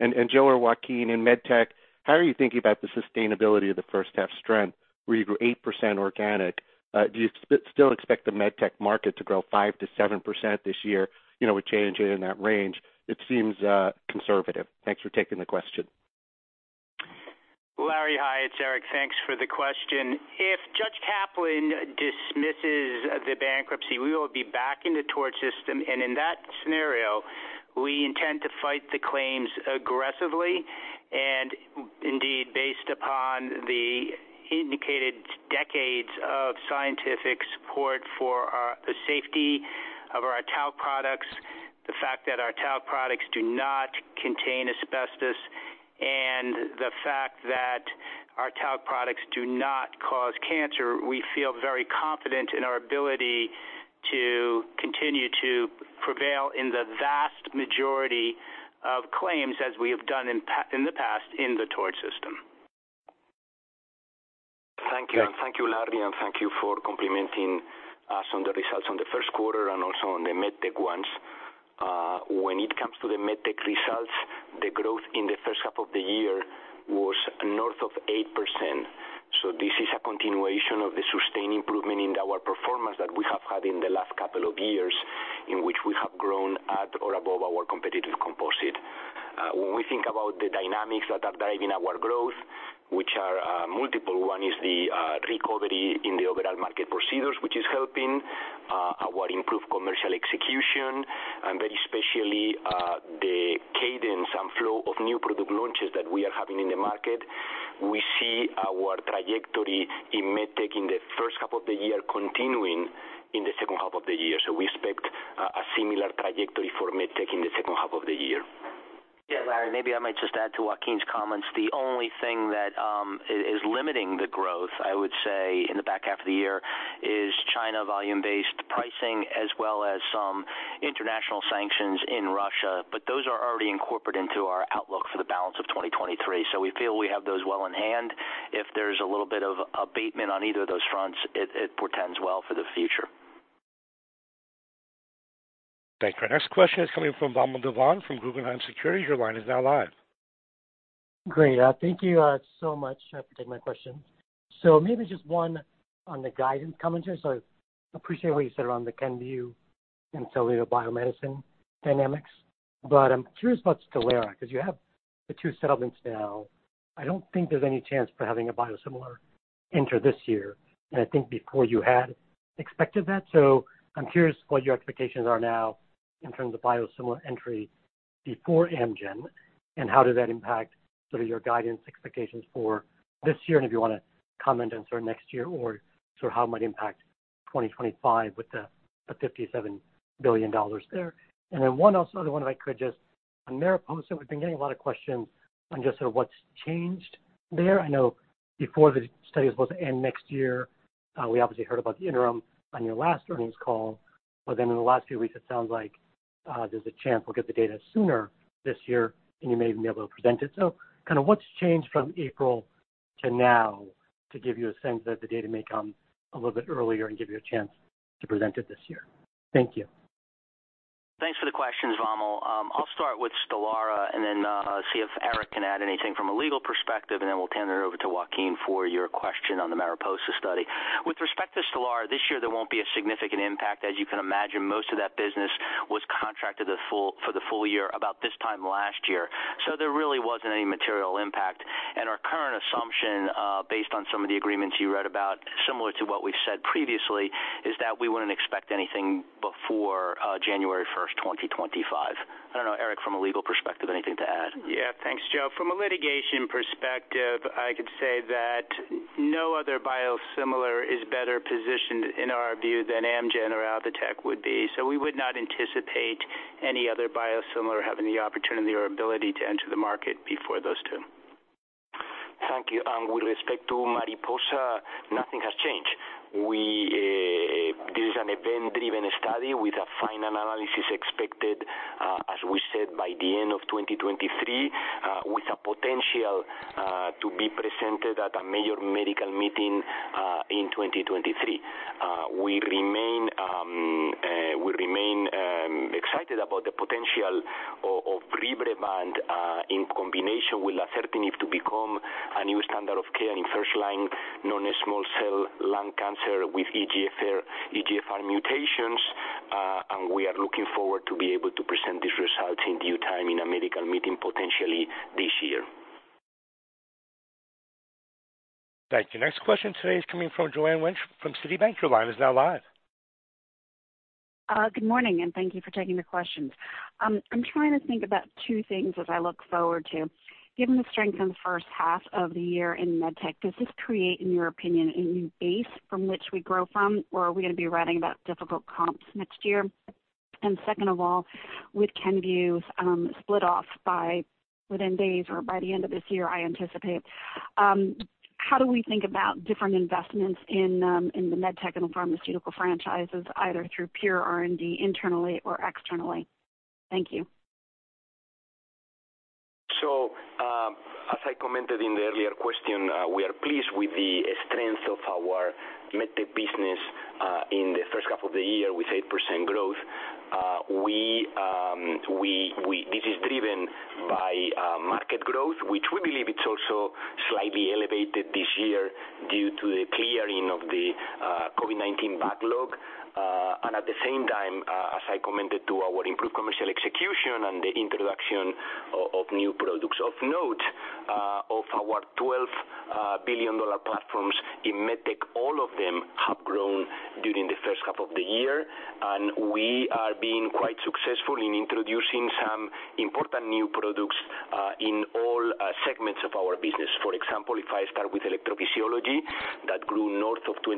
Speaker 6: And Joe or Joaquin, in MedTech, how are you thinking about the sustainability of the first half strength where you grew 8% organic? Do you still expect the MedTech market to grow 5%-7% this year? You know, with change in that range, it seems conservative. Thanks for taking the question.
Speaker 5: Larry, hi, it's Erik. Thanks for the question. If Judge Kaplan dismisses the bankruptcy, we will be back in the tort system, and in that scenario, we intend to fight the claims aggressively and indeed, based upon the indicated decades of scientific support for the safety of our talc products, the fact that our talc products do not contain asbestos. And the fact that our talc products do not cause cancer, we feel very confident in our ability to continue to prevail in the vast majority of claims as we have done in the past in the tort system.
Speaker 3: Thank you. Thank you, Larry, and thank you for complimenting us on the results on the 1st quarter and also on the MedTech ones. When it comes to the MedTech results, the growth in the 1st half of the year was north of 8%. This is a continuation of the sustained improvement in our performance that we have had in the last couple of years, in which we have grown at or above our competitive composite. When we think about the dynamics that are driving our growth, which are multiple, one is the recovery in the overall market procedures, which is helping our improved commercial execution, and very especially, the cadence and flow of new product launches that we are having in the market. We see our trajectory in MedTech in the first half of the year continuing in the second half of the year. We expect a similar trajectory for MedTech in the second half of the year.
Speaker 4: Yeah, Larry, maybe I might just add to Joaquin's comments. The only thing that is limiting the growth, I would say, in the back half of the year, is China volume-based pricing, as well as some international sanctions in Russia, but those are already incorporated into our outlook for the balance of 2023. We feel we have those well in hand. If there's a little bit of abatement on either of those fronts, it portends well for the future.
Speaker 1: Thank you. Our next question is coming from Vamil Divan from Guggenheim Securities. Your line is now live.
Speaker 7: Great. Thank you so much for taking my question. Maybe just one on the guidance commentary. I appreciate what you said around the Kenvue and Cellular Biomedicine dynamics, but I'm curious about STELARA, because you have the 2 settlements now. I don't think there's any chance for having a biosimilar enter this year, and I think before you had expected that. I'm curious what your expectations are now in terms of biosimilar entry before Amgen, and how does that impact sort of your guidance expectations for this year, and if you want to comment on sort of next year, or sort of how it might impact 2025 with the $57 billion there? Then one other one, if I could just, on MARIPOSA, we've been getting a lot of questions on just sort of what's changed there. I know before the study was supposed to end next year, we obviously heard about the interim on your last earnings call, but then in the last few weeks, it sounds like there's a chance we'll get the data sooner this year, and you may even be able to present it. Kind of what's changed from April to now to give you a sense that the data may come a little bit earlier and give you a chance to present it this year? Thank you.
Speaker 4: Thanks for the questions, Vamil. I'll start with STELARA and then see if Erik can add anything from a legal perspective, and then we'll turn it over to Joaquin for your question on the MARIPOSA study. With respect to STELARA, this year there won't be a significant impact. As you can imagine, most of that business was contracted for the full year about this time last year, so there really wasn't any material impact. Our current assumption, based on some of the agreements you read about, similar to what we've said previously, is that we wouldn't expect anything before January 1, 2025. I don't know, Erik, from a legal perspective, anything to add?
Speaker 5: Yeah. Thanks, Joe. From a litigation perspective, I could say that no other biosimilar is better positioned, in our view, than Amgen or Alvotech would be. We would not anticipate any other biosimilar having the opportunity or ability to enter the market before those two.
Speaker 3: Thank you. With respect to MARIPOSA, nothing has changed. We. This is an event-driven study with a final analysis expected, as we said, by the end of 2023, with a potential to be presented at a major medical meeting in 2023. We remain excited about the potential of RYBREVANT in combination with lazertinib to become a new standard of care in first-line non-small cell lung cancer with EGFR mutations, we are looking forward to be able to present these results in due time in a medical meeting, potentially this year.
Speaker 1: Thank you. Next question today is coming from Joanne Wuensch from Citibank. Your line is now live.
Speaker 8: Good morning, thank thank you for taking the questions. I'm trying to think about 2 things as I look forward to. Given the strength in the first half of the year in MedTech, does this create, in your opinion, a new base from which we grow from, or are we going to be writing about difficult comps next year? Second of all, with Kenvue's split off by within days or by the end of this year, I anticipate, how do we think about different investments in the MedTech and pharmaceutical franchises, either through pure R&D, internally or externally? Thank you.
Speaker 3: As I commented in the earlier question, we are pleased with the strength of our MedTech business in the first half of the year, with 8% growth. This is driven by market growth, which we believe it's also slightly elevated this year due to the clearing of the COVID-19 backlog. At the same time, as I commented to our improved commercial execution and the introduction of new products of note, of our $12 billion platforms in MedTech, all of them have grown during the first half of the year. We are being quite successful in introducing some important new products in all segments of our business. Example, if I start with electrophysiology, that grew north of 25%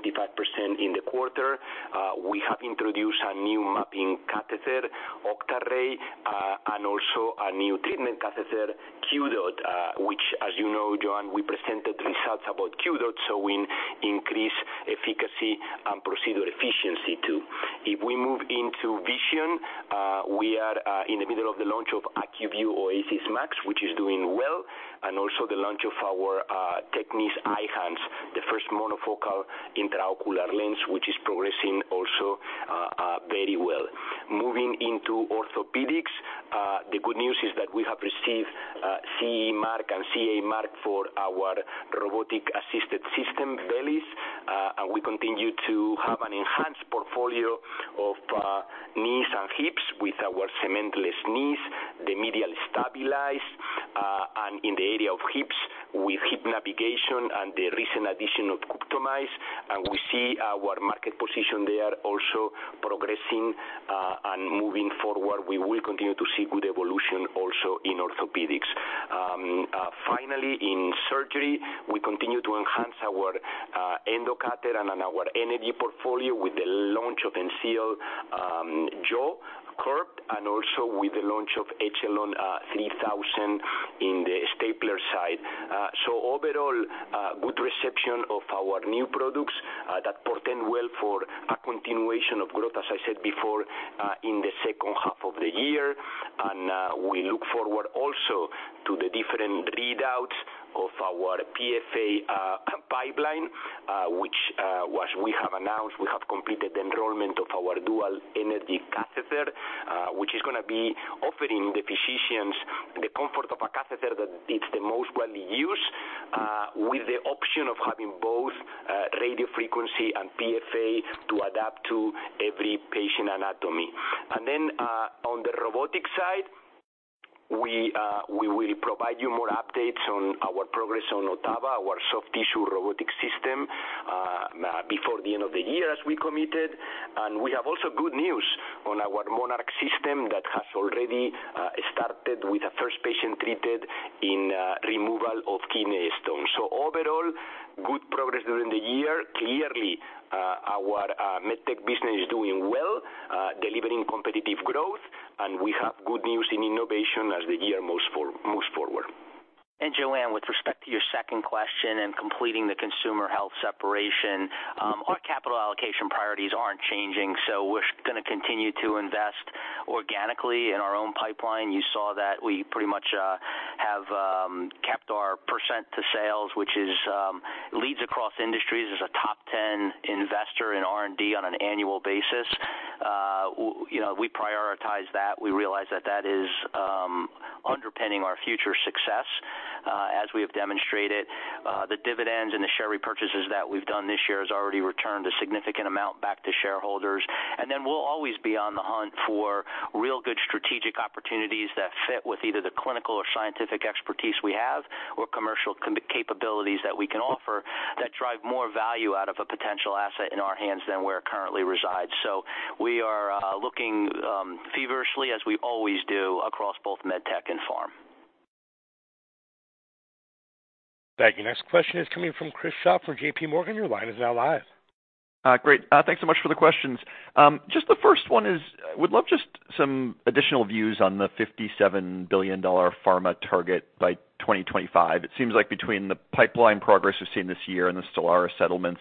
Speaker 3: in the quarter. We have introduced a new mapping catheter, OCTARAY, and also a new treatment catheter, QDOT MICRO, which, as you know, Joanne, we presented results about QDOT MICRO, showing increased efficacy and procedural efficiency, too. If we move into vision, we are in the middle of the launch of ACUVUE OASYS MAX 1-Day, which is doing well, and also the launch of our TECNIS Eyhance, the first monofocal intraocular lens, which is progressing also very well. Moving into orthopedics, the good news is that we have received CE mark and UKCA mark for our robotic-assisted system, VELYS. We continue to have an enhanced portfolio of knees and hips with our cementless knees, the medial stabilized, and in the area of hips, with hip navigation and the recent addition of CUPTIMIZE. We see our market position there also progressing, and moving forward. We will continue to see good evolution also in orthopedics. Finally, in surgery, we continue to enhance our endocutter and on our energy portfolio with the launch of ENSEAL, Jaw Curved, and also with the launch of Echelon 3000 in the stapler side. Overall, good reception of our new products that portend well for a continuation of growth, as I said before, in the second half of the year. We look forward also to the different readouts of our PFA pipeline, which as we have announced, we have completed the enrollment of our dual energy catheter, which is gonna be offering the physicians the comfort of a catheter that it's the most widely used, with the option of having both radio frequency and PFA to adapt to every patient anatomy. On the robotic side, we will provide you more updates on our progress on Ottava, our soft tissue robotic system, before the end of the year, as we committed. We have also good news on our MONARCH Platform that has already started with the first patient treated in removal of kidney stones. Overall, good progress during the year. Clearly, our MedTech business is doing well, delivering competitive growth, and we have good news in innovation as the year moves forward.
Speaker 4: Joanne, with respect to your second question and completing the consumer health separation, our capital allocation priorities aren't changing, so we're gonna continue to invest organically in our own pipeline. You saw that we pretty much have kept our percent to sales, which is leads across industries as a top 10 investor in R&D on an annual basis. You know, we prioritize that. We realize that that is underpinning our future success. As we have demonstrated, the dividends and the share repurchases that we've done this year has already returned a significant amount back to shareholders. We'll always be on the hunt for real good strategic opportunities that fit with either the clinical or scientific expertise we have, or commercial capabilities that we can offer, that drive more value out of a potential asset in our hands than where it currently resides. We are looking feverishly, as we always do, across both Medtech and Pharm.
Speaker 1: Thank you. Next question is coming from Chris Schott from JPMorgan. Your line is now live.
Speaker 9: Great. Thanks so much for the questions. Just the first one is, would love just some additional views on the $57 billion pharma target by 2025. It seems like between the pipeline progress we've seen this year and the STELARA settlements,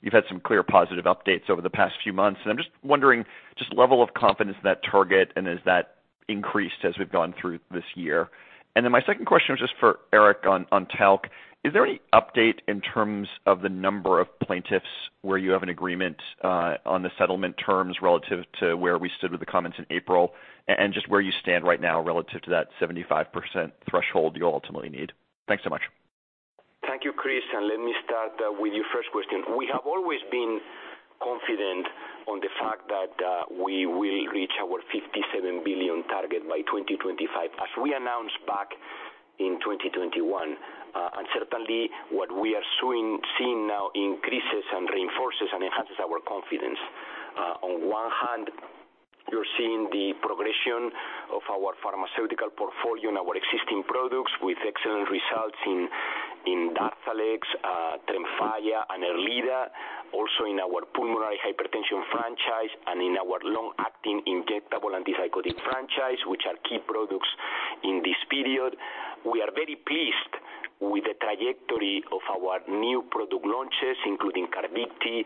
Speaker 9: you've had some clear positive updates over the past few months. I'm just wondering, just level of confidence in that target, and has that increased as we've gone through this year? Then my second question was just for Erik Haas on talc. Is there any update in terms of the number of plaintiffs where you have an agreement on the settlement terms relative to where we stood with the comments in April, and just where you stand right now relative to that 75% threshold you ultimately need? Thanks so much.
Speaker 3: Thank you, Chris. Let me start with your first question. We have always been confident on the fact that we will reach our $57 billion target by 2025, as we announced back in 2021. Certainly, what we are seeing now increases and reinforces and enhances our confidence. On one hand, you're seeing the progression of our pharmaceutical portfolio and our existing products with excellent results in Darzalex, Tremfya and Erleada, also in our pulmonary hypertension franchise and in our long-acting injectable antipsychotic franchise, which are key products in this period. We are very pleased with the trajectory of our new product launches, including CARVYKTI,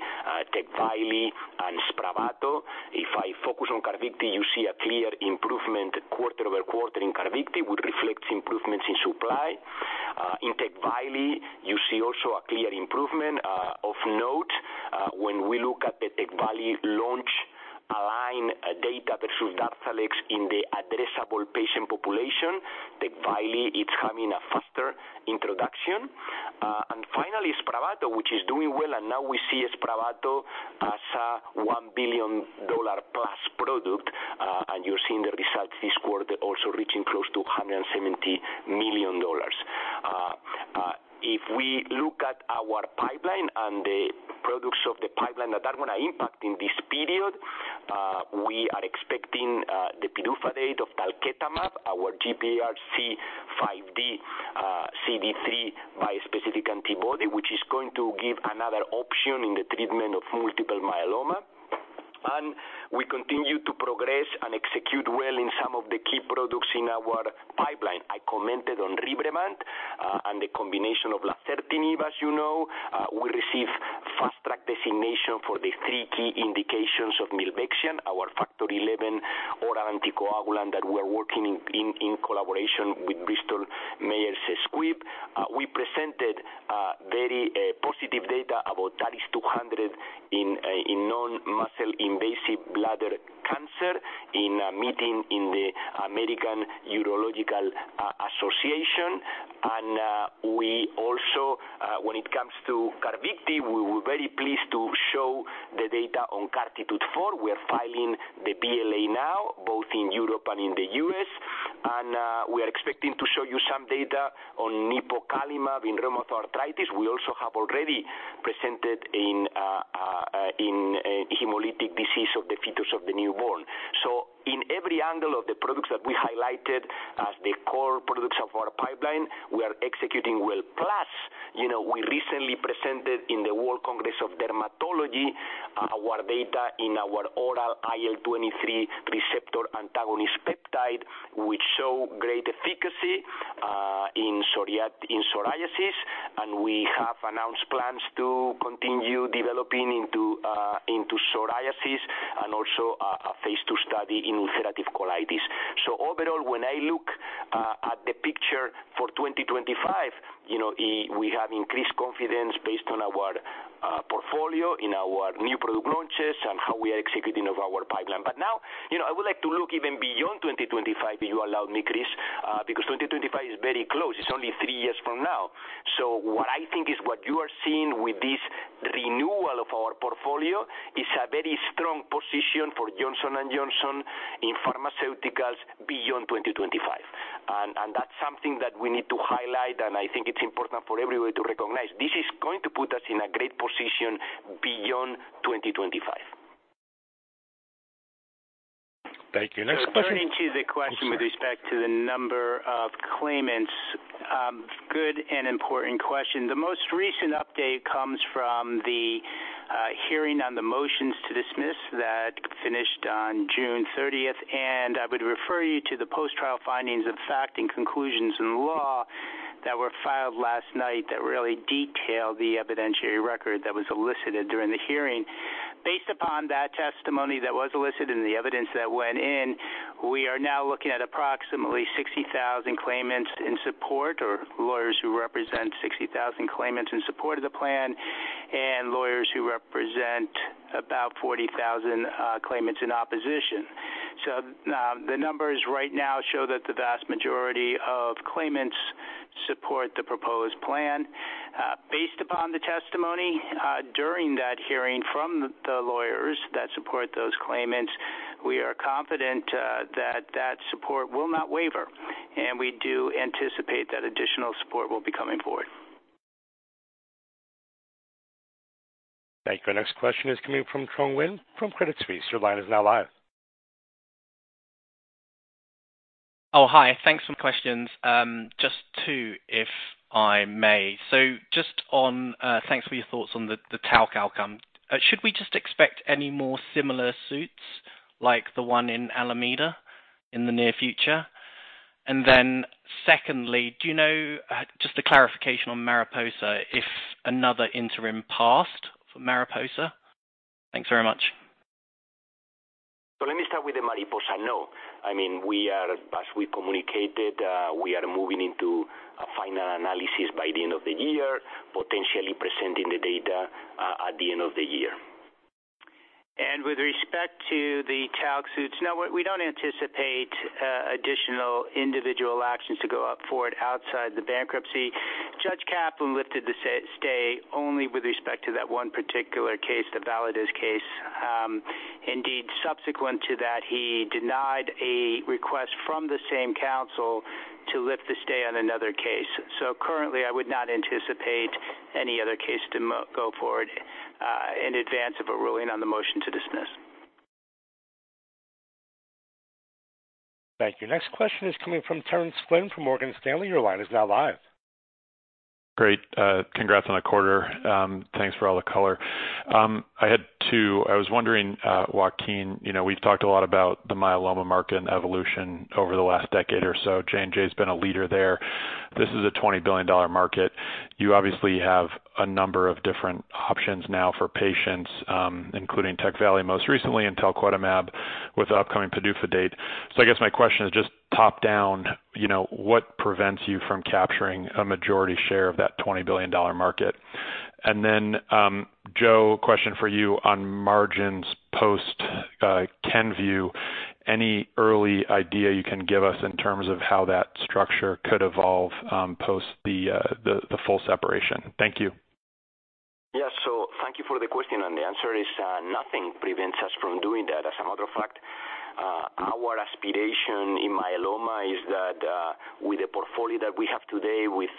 Speaker 3: TECVAYLI, and SPRAVATO. If I focus on CARVYKTI, you see a clear improvement quarter-over-quarter in CARVYKTI, which reflects improvements in supply. In TECVAYLI, you see also a clear improvement. Of note, when we look at the Tecvayli launch align data through Darzalex in the addressable patient population, Tecvayli is having a faster introduction. Finally, Spravato, which is doing well, now we see Spravato as a $1 billion-plus product, and you're seeing the results this quarter also reaching close to $170 million. If we look at our pipeline and the products of the pipeline that are gonna impact in this period. We are expecting the PDUFA date of talquetamab, our GPRC5D CD3 bispecific antibody, which is going to give another option in the treatment of multiple myeloma. We continue to progress and execute well in some of the key products in our pipeline. I commented on RYBREVANT and the combination of lazertinib, as you know. We receive Fast Track designation for the 3 key indications of milvexian, our Factor XIa oral anticoagulant that we are working in collaboration with Bristol Myers Squibb. We presented very positive data about TAR-200 in known muscle invasive bladder cancer in a meeting in the American Urological Association. We also, when it comes to CARVYKTI, we were very pleased to show the data on CARTITUDE-4. We are filing the BLA now, both in Europe and in the U.S., we are expecting to show you some data on nipocalimab in rheumatoid arthritis. We also have already presented in hemolytic disease of the fetus and newborn. In every angle of the products that we highlighted as the core products of our pipeline, we are executing well. You know, we recently presented in the World Congress of Dermatology, our data in our oral IL-23 receptor antagonist peptide, which show great efficacy, in psoriasis. We have announced plans to continue developing into psoriasis and also, a phase two study in ulcerative colitis. Overall, when I look at the picture for 2025, you know, we have increased confidence based on our portfolio, in our new product launches and how we are executing of our pipeline. Now, you know, I would like to look even beyond 2025, if you allow me, Chris, because 2025 is very close. It's only three years from now. What I think is what you are seeing with this renewal of our portfolio is a very strong position for Johnson & Johnson in pharmaceuticals beyond 2025. That's something that we need to highlight, and I think it's important for everybody to recognize. This is going to put us in a great position beyond 2025.
Speaker 1: Thank you. Next question.
Speaker 5: Turning to the question with respect to the number of claimants, good and important question. The most recent update comes from the hearing on the motions to dismiss that finished on June 30th, and I would refer you to the post-trial findings of fact and conclusions in law that were filed last night that really detail the evidentiary record that was elicited during the hearing. Based upon that testimony that was elicited and the evidence that went in, we are now looking at approximately 60,000 claimants in support, or lawyers who represent 60,000 claimants in support of the plan, and lawyers who represent about 40,000 claimants in opposition. The numbers right now show that the vast majority of claimants support the proposed plan. Based upon the testimony during that hearing from the lawyers that support those claimants, we are confident that that support will not waver, and we do anticipate that additional support will be coming forward.
Speaker 1: Thank you. Our next question is coming from Trung Nguyen from Credit Suisse. Your line is now live.
Speaker 10: Hi, thanks for some questions. Just two, if I may. Just on, thanks for your thoughts on the talc outcome. Should we just expect any more similar suits, like the one in Alameda, in the near future? Secondly, do you know, just a clarification on MARIPOSA, if another interim passed for MARIPOSA? Thanks very much.
Speaker 3: Let me start with the MARIPOSA. No. I mean, we are, as we communicated, we are moving into a final analysis by the end of the year, potentially presenting the data at the end of the year.
Speaker 5: With respect to the talc suits, no, we don't anticipate additional individual actions to go up for it outside the bankruptcy. Judge Kaplan lifted the stay only with respect to that one particular case, the Valadez case. Indeed, subsequent to that, he denied a request from the same counsel to lift the stay on another case. Currently, I would not anticipate any other case to go forward in advance of a ruling on the motion to dismiss.
Speaker 1: Thank you. Next question is coming from Terence Flynn from Morgan Stanley. Your line is now live.
Speaker 11: Great. Congrats on the quarter. Thanks for all the color. I had two. I was wondering, Joaquin, you know, we've talked a lot about the myeloma market and evolution over the last decade or so. J&J's been a leader there. This is a $20 billion market. You obviously have a number of different options now for patients, including TECVAYLI, most recently, and talquetamab, with upcoming PDUFA date. I guess my question is just top down, you know, what prevents you from capturing a majority share of that $20 billion market? Joe, question for you on margins, post Kenvue. Any early idea you can give us in terms of how that structure could evolve, post the full separation? Thank you.
Speaker 3: Thank you for the question, and the answer is, nothing prevents us from doing that as a matter of fact. Our aspiration in myeloma is that with the portfolio that we have today, with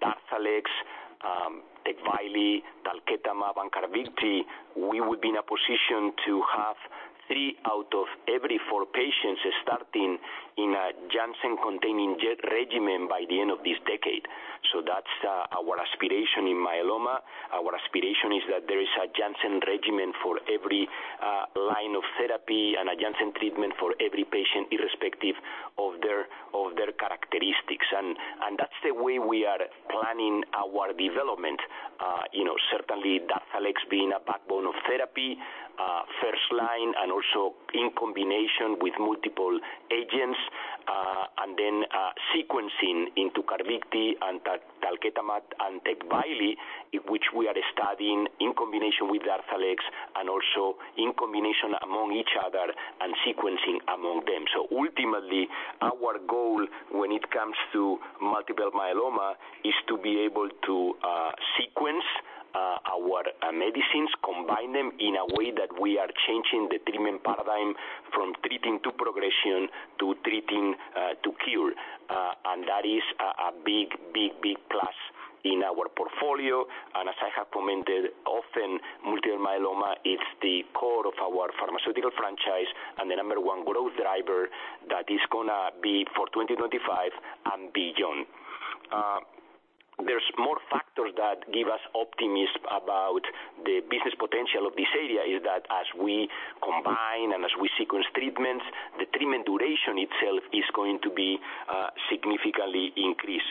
Speaker 3: Darzalex, Tecvayli, Talquetamab, and CARVYKTI, we would be in a position to have three out of every four patients starting in a Janssen-containing jet regimen by the end of this decade. That's our aspiration in myeloma. Our aspiration is that there is a Janssen regimen for every line of therapy and a Janssen treatment for every patient, irrespective of their characteristics. That's the way we are planning our development. You know, certainly Darzalex being a backbone of therapy, first line, and also in combination with multiple agents. Sequencing into CARVYKTI and talquetamab and TECVAYLI, which we are studying in combination with DARZALEX and also in combination among each other and sequencing among them. Ultimately, our goal when it comes to multiple myeloma is to be able to sequence our medicines, combine them in a way that we are changing the treatment paradigm from treating to progression to treating to cure. That is a big, big, big plus in our portfolio. As I have commented, often, multiple myeloma is the core of our pharmaceutical franchise and the number one growth driver that is gonna be for 2025 and beyond. There's more factors that give us optimism about the business potential of this area, is that as we combine and as we sequence treatments, the treatment duration itself is going to be significantly increased.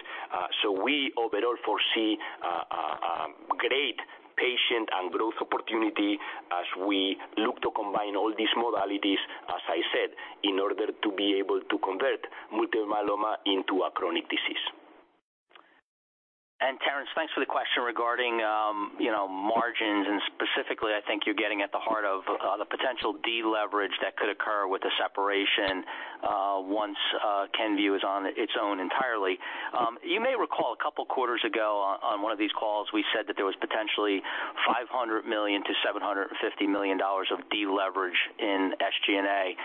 Speaker 3: We overall foresee a great patient and growth opportunity as we look to combine all these modalities, as I said, in order to be able to convert multiple myeloma into a chronic disease.
Speaker 4: Terence, thanks for the question regarding, you know, margins, and specifically, I think you're getting at the heart of the potential deleverage that could occur with the separation, once Kenvue is on its own entirely. You may recall a couple quarters ago on one of these calls, we said that there was potentially $500 million-$750 million of deleverage in SG&A.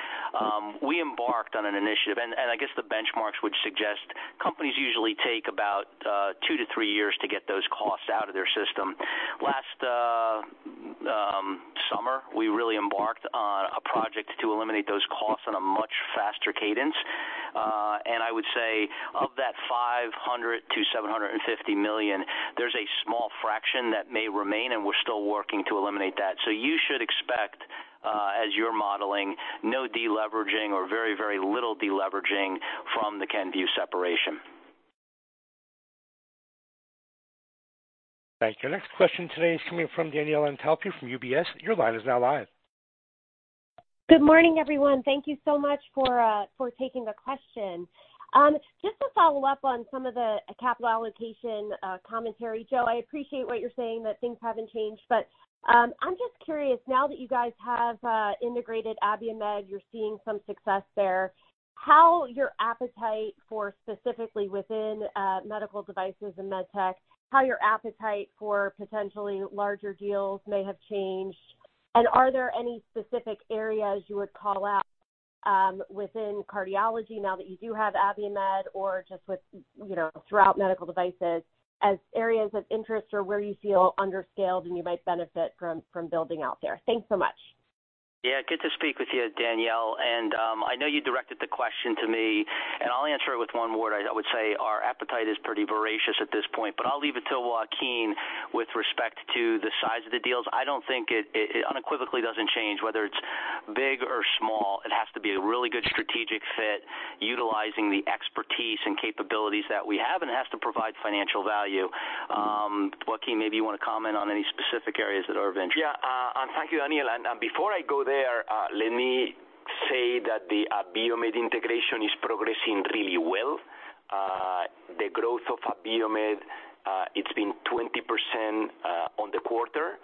Speaker 4: We embarked on an initiative, and I guess the benchmarks would suggest companies usually take about 2-3 years to get those costs out of their system. Last summer, we really embarked on a project to eliminate those costs on a much faster cadence. And I would say of that $500 million-$750 million, there's a small fraction that may remain, and we're still working to eliminate that. You should expect, as you're modeling, no deleveraging or very, very little deleveraging from the Kenvue separation.
Speaker 1: Thank you. Next question today is coming from Danielle Antalffy from UBS. Your line is now live.
Speaker 12: Good morning, everyone. Thank you so much for for taking the question. Just to follow up on some of the capital allocation commentary. Joe, I appreciate what you're saying, that things haven't changed, but I'm just curious, now that you guys have integrated Abiomed, you're seeing some success there, how your appetite for specifically within medical devices and med tech, how your appetite for potentially larger deals may have changed? Are there any specific areas you would call out within cardiology now that you do have Abiomed or just with, you know, throughout medical devices as areas of interest or where you feel under scaled and you might benefit from building out there? Thanks so much.
Speaker 4: Yeah, good to speak with you, Danielle. I know you directed the question to me, and I'll answer it with one word. I would say our appetite is pretty voracious at this point, but I'll leave it to Joaquin with respect to the size of the deals. I don't think it unequivocally doesn't change. Whether it's big or small, it has to be a really good strategic fit, utilizing the expertise and capabilities that we have, and it has to provide financial value. Joaquin, maybe you want to comment on any specific areas that are of interest.
Speaker 3: Yeah, thank you, Danielle. Before I go there, let me say that the Abiomed integration is progressing really well. The growth of Abiomed, it's been 20% on the quarter.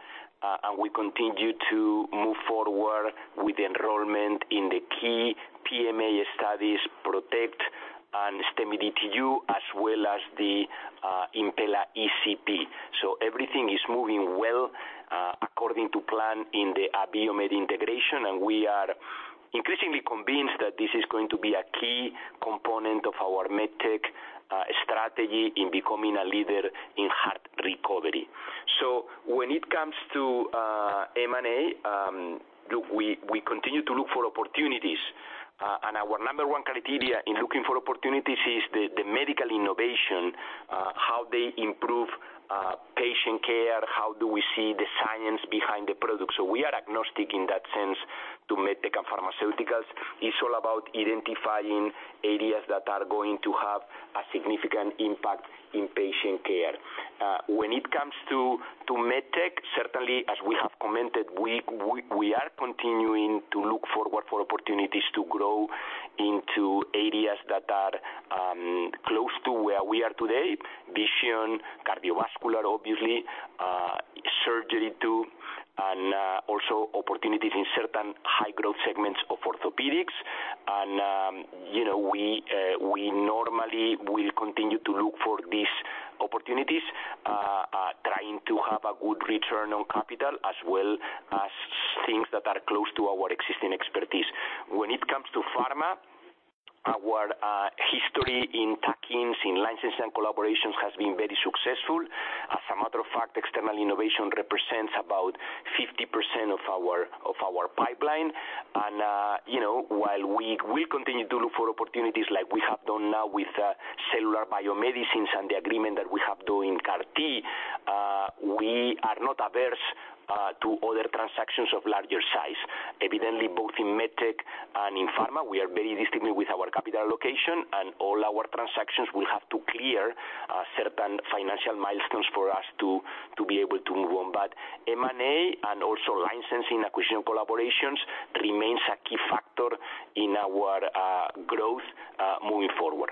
Speaker 3: We continue to move forward with the enrollment in the key PMA studies, Protect and STEMI DTU, as well as the Impella ECP. Everything is moving well, according to plan in the Abiomed integration, and we are increasingly convinced that this is going to be a key component of our med tech strategy in becoming a leader in heart recovery. When it comes to M&A, look, we continue to look for opportunities. Our number one criteria in looking for opportunities is the medical innovation, how they improve patient care, how do we see the science behind the product. We are agnostic in that sense to MedTech and pharmaceuticals. It's all about identifying areas that are going to have a significant impact in patient care. When it comes to MedTech, certainly, as we have commented, we are continuing to look forward for opportunities to grow into areas that are close to where we are today, vision, cardiovascular, obviously, surgery, too, and also opportunities in certain high-growth segments of orthopedics. You know, we normally will continue to look for these opportunities, trying to have a good return on capital, as well as things that are close to our existing expertise. When it comes to pharma, our history in-licensing and collaborations has been very successful. As a matter of fact, external innovation represents about 50% of our pipeline. You know, while we will continue to look for opportunities like we have done now with Cellular Biomedicines and the agreement that we have doing CAR T, we are not averse to other transactions of larger size. Evidently, both in MedTech and in pharma, we are very disciplined with our capital allocation, and all our transactions will have to clear certain financial milestones for us to be able to move on. M&A and also line licensing, acquisition collaborations remains a key factor in our growth moving forward.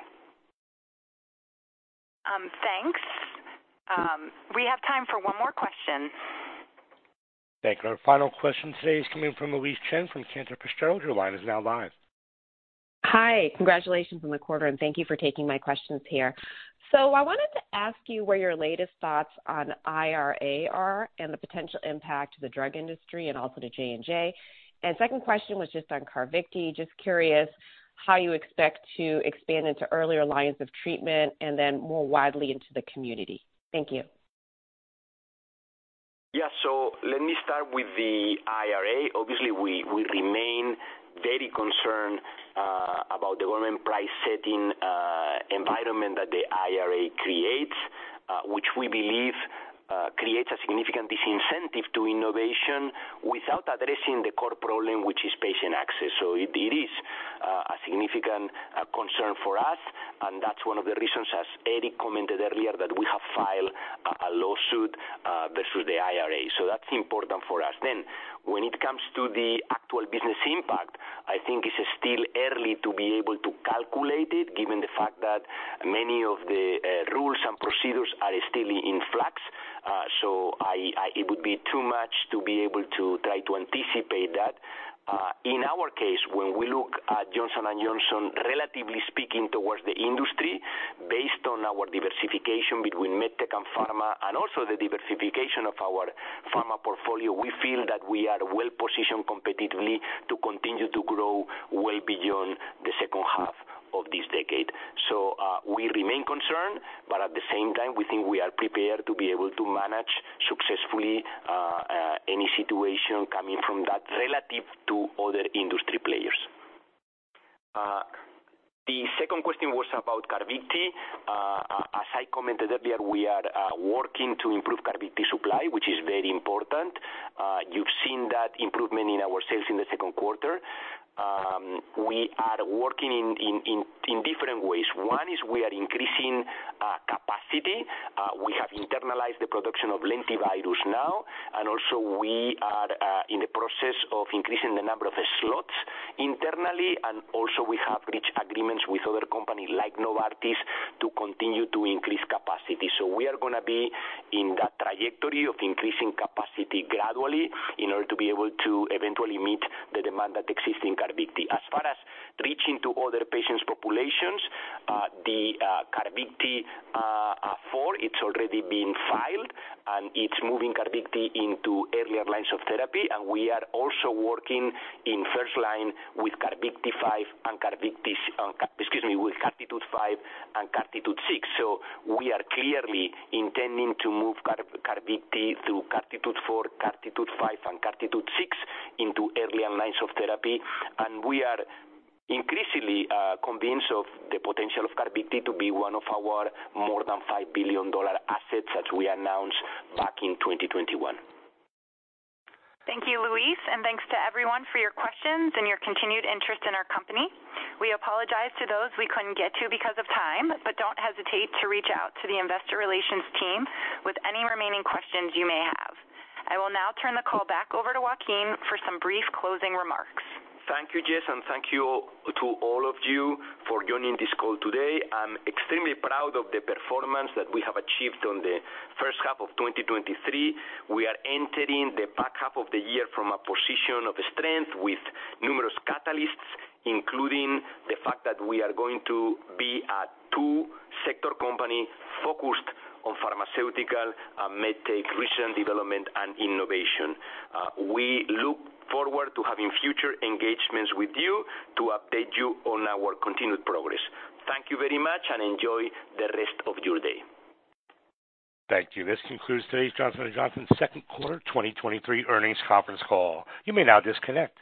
Speaker 2: Thanks. We have time for one more question.
Speaker 1: Thank you. Our final question today is coming from Louise Chen from Cantor Fitzgerald. Your line is now live.
Speaker 13: Hi, congratulations on the quarter. Thank you for taking my questions here. I wanted to ask you what your latest thoughts on IRA are and the potential impact to the drug industry and also to J&J. Second question was just on CARVYKTI. Just curious how you expect to expand into earlier lines of treatment and then more widely into the community. Thank you.
Speaker 3: Let me start with the IRA. Obviously, we remain very concerned about the government price-setting environment that the IRA creates, which we believe creates a significant disincentive to innovation without addressing the core problem, which is patient access. It is a significant concern for us, and that's one of the reasons, as Eddie commented earlier, that we have filed a lawsuit versus the IRA. That's important for us. When it comes to the actual business impact, I think it's still early to be able to calculate it, given the fact that many of the rules and procedures are still in flux. It would be too much to be able to try to anticipate that. In our case, when we look at Johnson & Johnson, relatively speaking, towards the industry, based on our diversification between MedTech and pharma, and also the diversification of our pharma portfolio, we feel that we are well positioned competitively to continue to grow well beyond the second half of this decade. We remain concerned, but at the same time, we think we are prepared to be able to manage successfully any situation coming from that relative to other industry players. The second question was about CARVYKTI. As I commented earlier, we are working to improve CARVYKTI supply, which is very important. You've seen that improvement in our sales in the second quarter. We are working in different ways. One is we are increasing capacity. We have internalized the production of lentivirus now, and also we are in the process of increasing the number of slots internally, and also we have reached agreements with other companies like Novartis to continue to increase capacity. We are gonna be in that trajectory of increasing capacity gradually in order to be able to eventually meet the demand that exists in CARVYKTI. As far as reaching to other patients populations, the CARTITUDE-4, it's already been filed, and it's moving CARVYKTI into earlier lines of therapy, and we are also working in first line with CARTITUDE-5 and CARTITUDE-6. We are clearly intending to move CARVYKTI through CARTITUDE-4, CARTITUDE-5, and CARTITUDE-6 into earlier lines of therapy. We are increasingly convinced of the potential of CARVYKTI to be one of our more than $5 billion assets, as we announced back in 2021.
Speaker 2: Thank you, Louise, and thanks to everyone for your questions and your continued interest in our company. We apologize to those we couldn't get to because of time. Don't hesitate to reach out to the investor relations team with any remaining questions you may have. I will now turn the call back over to Joaquin for some brief closing remarks.
Speaker 3: Thank you, Jess. Thank you all, to all of you for joining this call today. I'm extremely proud of the performance that we have achieved on the first half of 2023. We are entering the back half of the year from a position of strength with numerous catalysts, including the fact that we are going to be a two-sector company focused on pharmaceutical, MedTech, research and development, and innovation. We look forward to having future engagements with you to update you on our continued progress. Thank you very much. Enjoy the rest of your day.
Speaker 1: Thank you. This concludes today's Johnson & Johnson second quarter 2023 Earnings Conference Call. You may now disconnect.